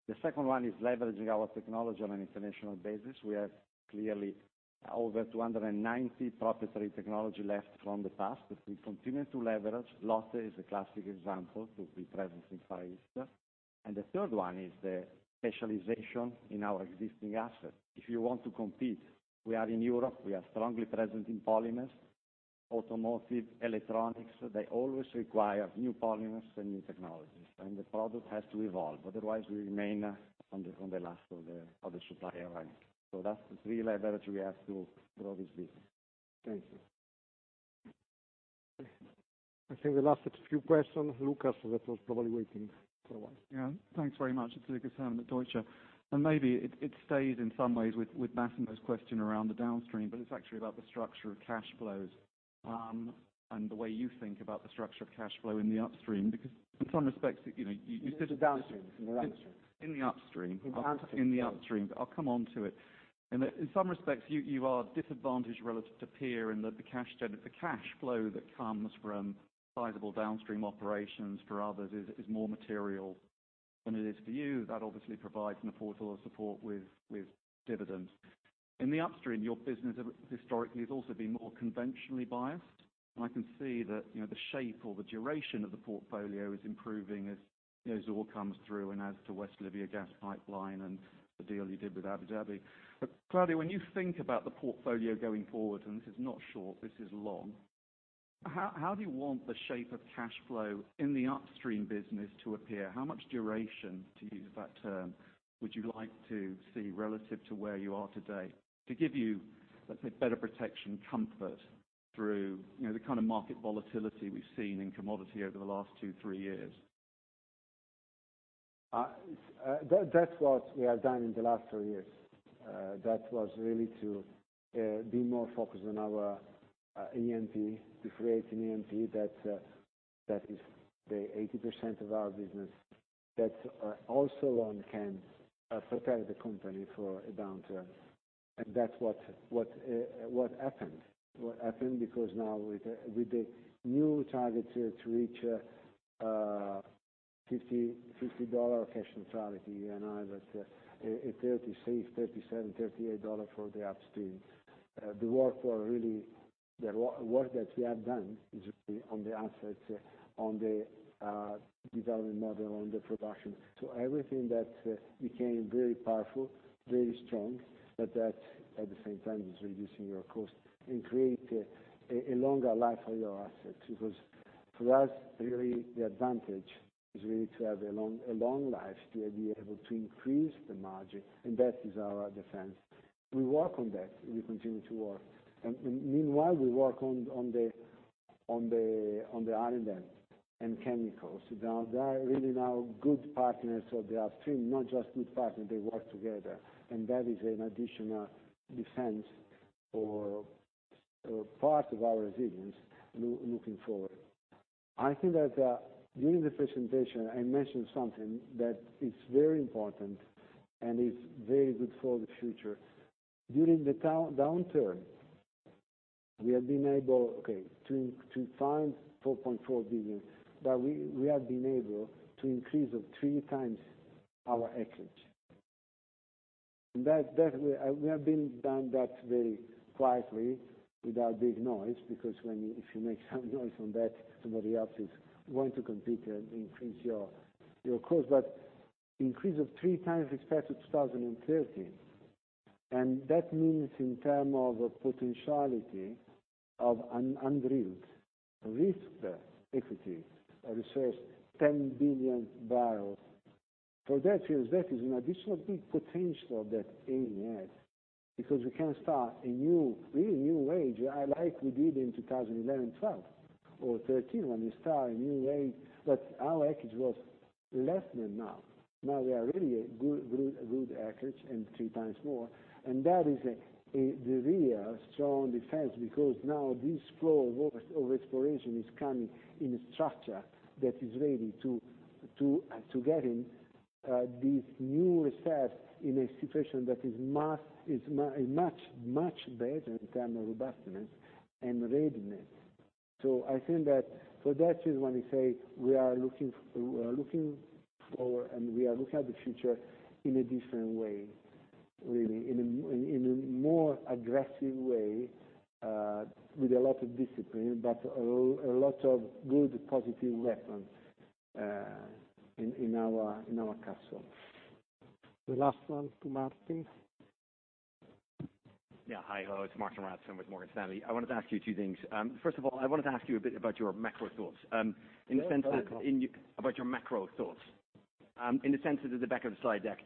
E: The second one is leveraging our technology on an international basis. We have clearly over 290 proprietary technology left from the past that we continue to leverage. LOTTE is a classic example to be present in Far East. The third one is the specialization in our existing assets. If you want to compete, we are in Europe, we are strongly present in polymers, automotive, electronics. They always require new polymers and new technologies, and the product has to evolve. Otherwise, we remain on the last of the supply rank. That's the three leverage we have to grow this business.
A: Thank you. I think the last few questions, Lucas, that was probably waiting for a while.
R: Yeah. Thanks very much. It's Lucas Herrmann at Deutsche. Maybe it stays in some ways with Massimo's question around the downstream, but it's actually about the structure of cash flows, and the way you think about the structure of cash flow in the upstream, because in some respects, you said-
A: In the downstream, in the upstream?
R: In the upstream.
A: In the upstream.
R: In the upstream, I'll come on to it. In some respects, you are disadvantaged relative to peer, and that the cash flow that comes from sizable downstream operations for others is more material than it is for you. That obviously provides an affordable support with dividends. In the upstream, your business historically has also been more conventionally biased. I can see that the shape or the duration of the portfolio is improving as Zohr comes through, as to Western Libya Gas Project and the deal you did with Abu Dhabi. Claudio, when you think about the portfolio going forward, and this is not short, this is long, how do you want the shape of cash flow in the upstream business to appear? How much duration, to use that term, would you like to see relative to where you are today to give you, let's say, better protection, comfort through the kind of market volatility we've seen in commodity over the last two, three years?
A: That's what we have done in the last three years. That was really to be more focused on our E&P, to create an E&P that is the 80% of our business, that also can prepare the company for a downturn. That's what happened. What happened, because now with the new target to reach $50 cash neutrality, Eni, that's a $36, $37, $38 for the upstream. The work that we have done on the assets, on the development model, on the production. Everything that became very powerful, very strong, but at the same time is reducing your cost and create a longer life for your assets. Because for us, really, the advantage is really to have a long life, to be able to increase the margin, and that is our defense. We work on that. We continue to work. Meanwhile, we work on the iron oil and chemicals. They are really now good partners of the upstream, not just good partners, they work together, and that is an additional defense or part of our resilience looking forward. I think that during the presentation, I mentioned something that is very important and is very good for the future. During the downturn, we have been able, okay, to find 4.4 billion, but we have been able to increase it three times our acreage. We have done that very quietly, without big noise, because if you make some noise on that, somebody else is going to compete and increase your cost. Increase of three times expected 2030. That means in terms of potentiality of unrisked equity, a reserve 10 billion barrels. For that reason, that is an additional big potential that Eni has, because we can start a really new age, like we did in 2011, 2012 or 2013, when we start a new age, but our acreage was less than now. Now we are really a good acreage and three times more, and that is the real strong defense because now this flow of exploration is coming in a structure that is ready to getting these new reserves in a situation that is much, much better in terms of robustness and readiness. I think that for that reason, when we say we are looking forward, and we are looking at the future in a different way, really, in a more aggressive way, with a lot of discipline, but a lot of good, positive weapons in our castle.
B: The last one to Martijn.
S: Yeah. Hi, hello, it's Martijn Rats with Morgan Stanley. I wanted to ask you two things. First of all, I wanted to ask you a bit about your macro thoughts.
A: Yeah.
S: About your macro thoughts. In the sense that at the back of the slide deck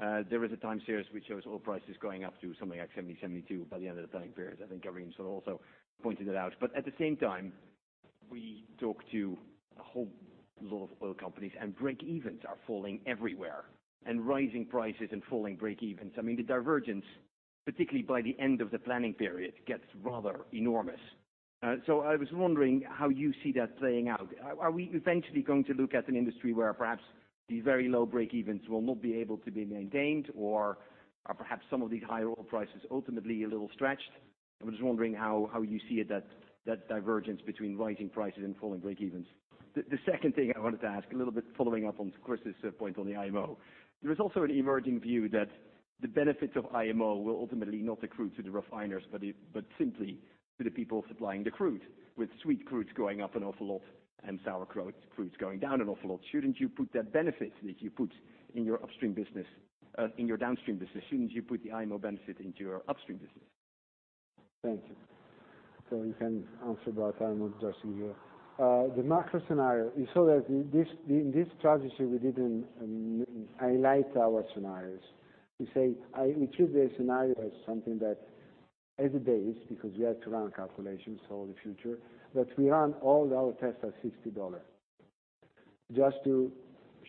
S: there is a time series which shows oil prices going up to something like 70, 72 by the end of the planning period. I think Irene sort of also pointed it out. At the same time, we talk to a whole lot of oil companies, and breakevens are falling everywhere, and rising prices and falling breakevens. I mean, the divergence, particularly by the end of the planning period, gets rather enormous. I was wondering how you see that playing out. Are we eventually going to look at an industry where perhaps the very low breakevens will not be able to be maintained? Or are perhaps some of these higher oil prices ultimately a little stretched? I'm just wondering how you see that divergence between rising prices and falling breakevens. The second thing I wanted to ask, a little bit following up on Chris's point on the IMO. There is also an emerging view that the benefits of IMO will ultimately not accrue to the refiners, but simply to the people supplying the crude, with sweet crudes going up an awful lot and sour crudes going down an awful lot. Shouldn't you put the benefits that you put in your downstream business, shouldn't you put the IMO benefit into your upstream business?
A: Thank you. You can answer about IMO. The macro scenario, you saw that in this strategy, we didn't highlight our scenarios. We treat the scenario as something that every day is, because we have to run calculations for the future, but we run all our tests at $60, just to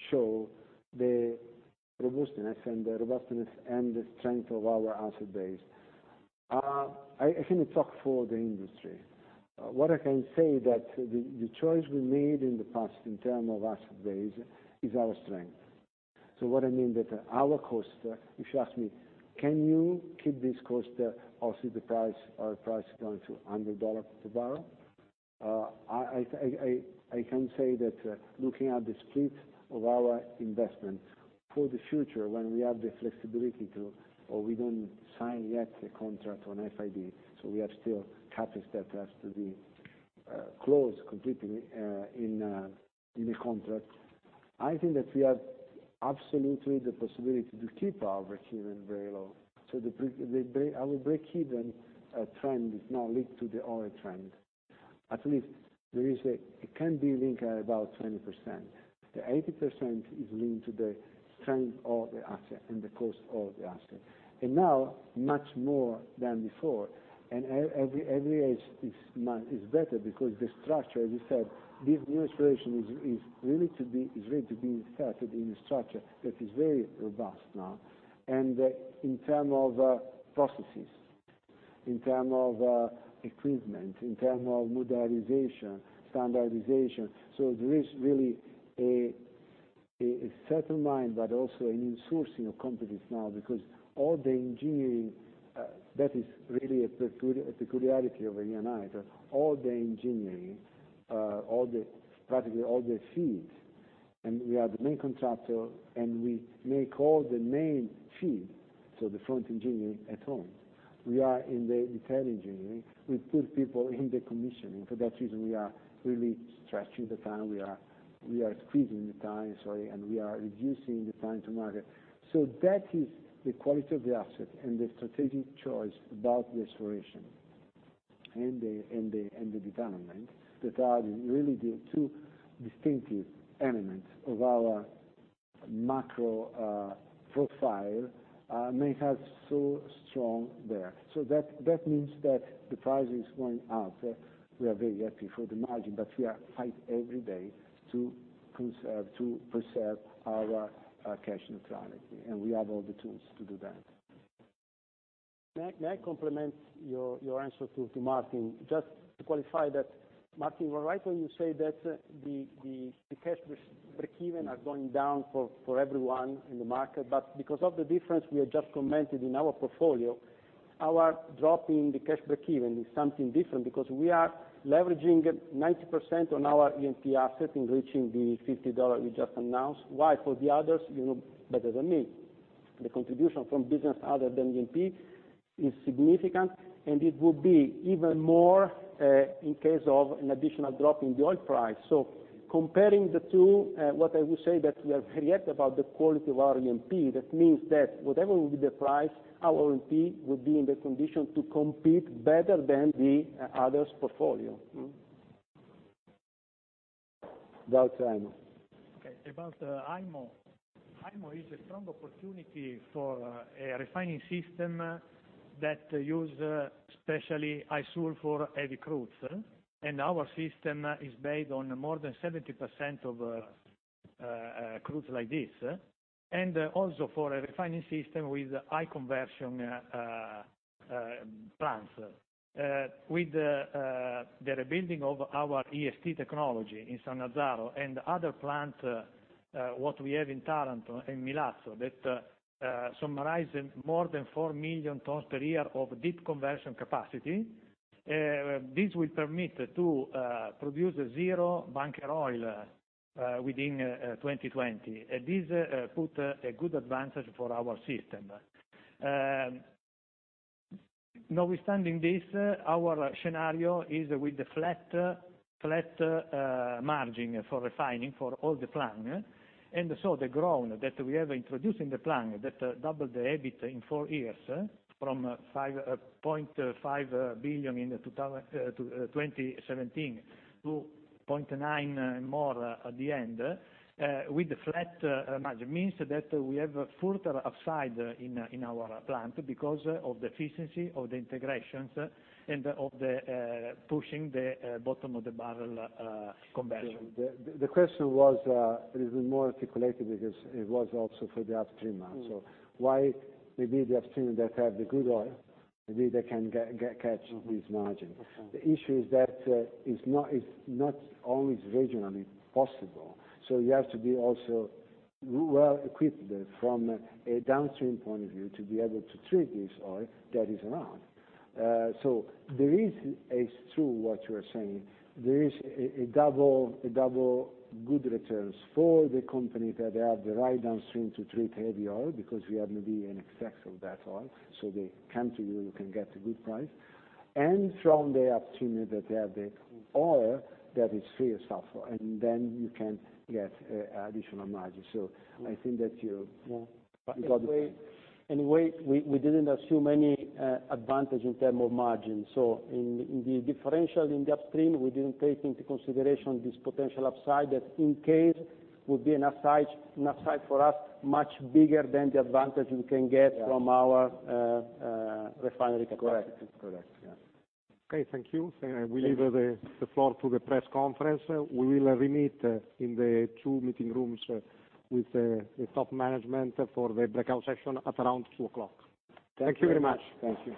A: show the robustness, and the robustness and the strength of our asset base. I cannot talk for the industry. What I can say that the choice we made in the past in terms of asset base is our strength. What I mean that our cost, if you ask me, can you keep this cost also the price going to $100 per barrel? I can say that looking at the split of our investment for the future, when we have the flexibility to, or we don't sign yet a contract on FID, we have still chapters that has to be closed completely in the contract. I think that we have absolutely the possibility to keep our breakeven very low. Our breakeven trend is now linked to the oil trend. At least, it can be linked at about 20%. The 80% is linked to the strength of the asset and the cost of the asset, and now much more than before. Every age is better because the structure, as you said, this new exploration is ready to be started in a structure that is very robust now. In terms of processes, in terms of equipment, in terms of modernization, standardization. There is really a certain mind, but also an insourcing of competencies now, because all the engineering, that is really a peculiarity of Eni, that all the engineering, practically all the FEEDs, and we are the main contractor, and we make all the main FEED, the front engineering at home. We are in the detailed engineering. We put people in the commissioning. For that reason, we are really stretching the time. We are squeezing the time, sorry, and we are reducing the time to market. That is the quality of the asset and the strategic choice about the exploration and the development that are really the two distinctive elements of our macro profile make us so strong there. That means that the price is going up. We are very happy for the margin, but we are fight every day to preserve our cash neutrality, and we have all the tools to do that.
B: May I complement your answer to Martijn? Just to qualify that, Martijn, you are right when you say that the cash breakeven are going down for everyone in the market. But because of the difference we have just commented in our portfolio, our drop in the cash breakeven is something different because we are leveraging 90% on our E&P asset in reaching the EUR 50 we just announced. Why? For the others, you know better than me. The contribution from business other than E&P is significant, and it will be even more, in case of an additional drop in the oil price. Comparing the two, what I will say that we are very happy about the quality of our E&P. That means that whatever will be the price, our E&P will be in the condition to compete better than the others' portfolio.
A: About IMO.
E: Okay, about IMO. IMO is a strong opportunity for a refining system that use especially high-sulfur for heavy crudes, and our system is based on more than 70% of Crude like this. Also for a refining system with high conversion plants. With the rebuilding of our EST technology in Sannazzaro and other plant, what we have in Taranto and Milazzo, that summarize more than 4 million tons per year of deep conversion capacity. This will permit to produce zero bunker oil within 2020. This put a good advantage for our system. Notwithstanding this, our scenario is with the flat margin for refining for all the plan. The growth that we have introduced in the plan that double the EBIT in 4 years, from 5.5 billion in 2017 to 0.9 more at the end, with the flat margin, means that we have further upside in our plant because of the efficiency of the integrations and of the pushing the bottom of the barrel conversion.
A: The question was a little bit more articulated because it was also for the upstream. Why maybe the upstream that have the good oil, maybe they can catch this margin.
E: Okay.
A: The issue is that it's not always regionally possible. You have to be also well equipped from a downstream point of view to be able to treat this oil that is around. It's true what you are saying. There is a double good returns for the company that have the right downstream to treat heavy oil, because we have maybe an excess of that oil, so they come to you can get a good price, and from the upstream that have the oil that is free of sulfur, and then you can get additional margin. I think that you got the point.
E: Anyway, we didn't assume any advantage in terms of margin. In the differential in the upstream, we didn't take into consideration this potential upside, that in case would be an upside for us much bigger than the advantage we can get from our refinery capacity.
A: Correct. Yeah.
C: Okay. Thank you. We leave the floor to the press conference. We will re-meet in the two meeting rooms with the top management for the breakout session at around two o'clock.
E: Thank you very much.
A: Thank you.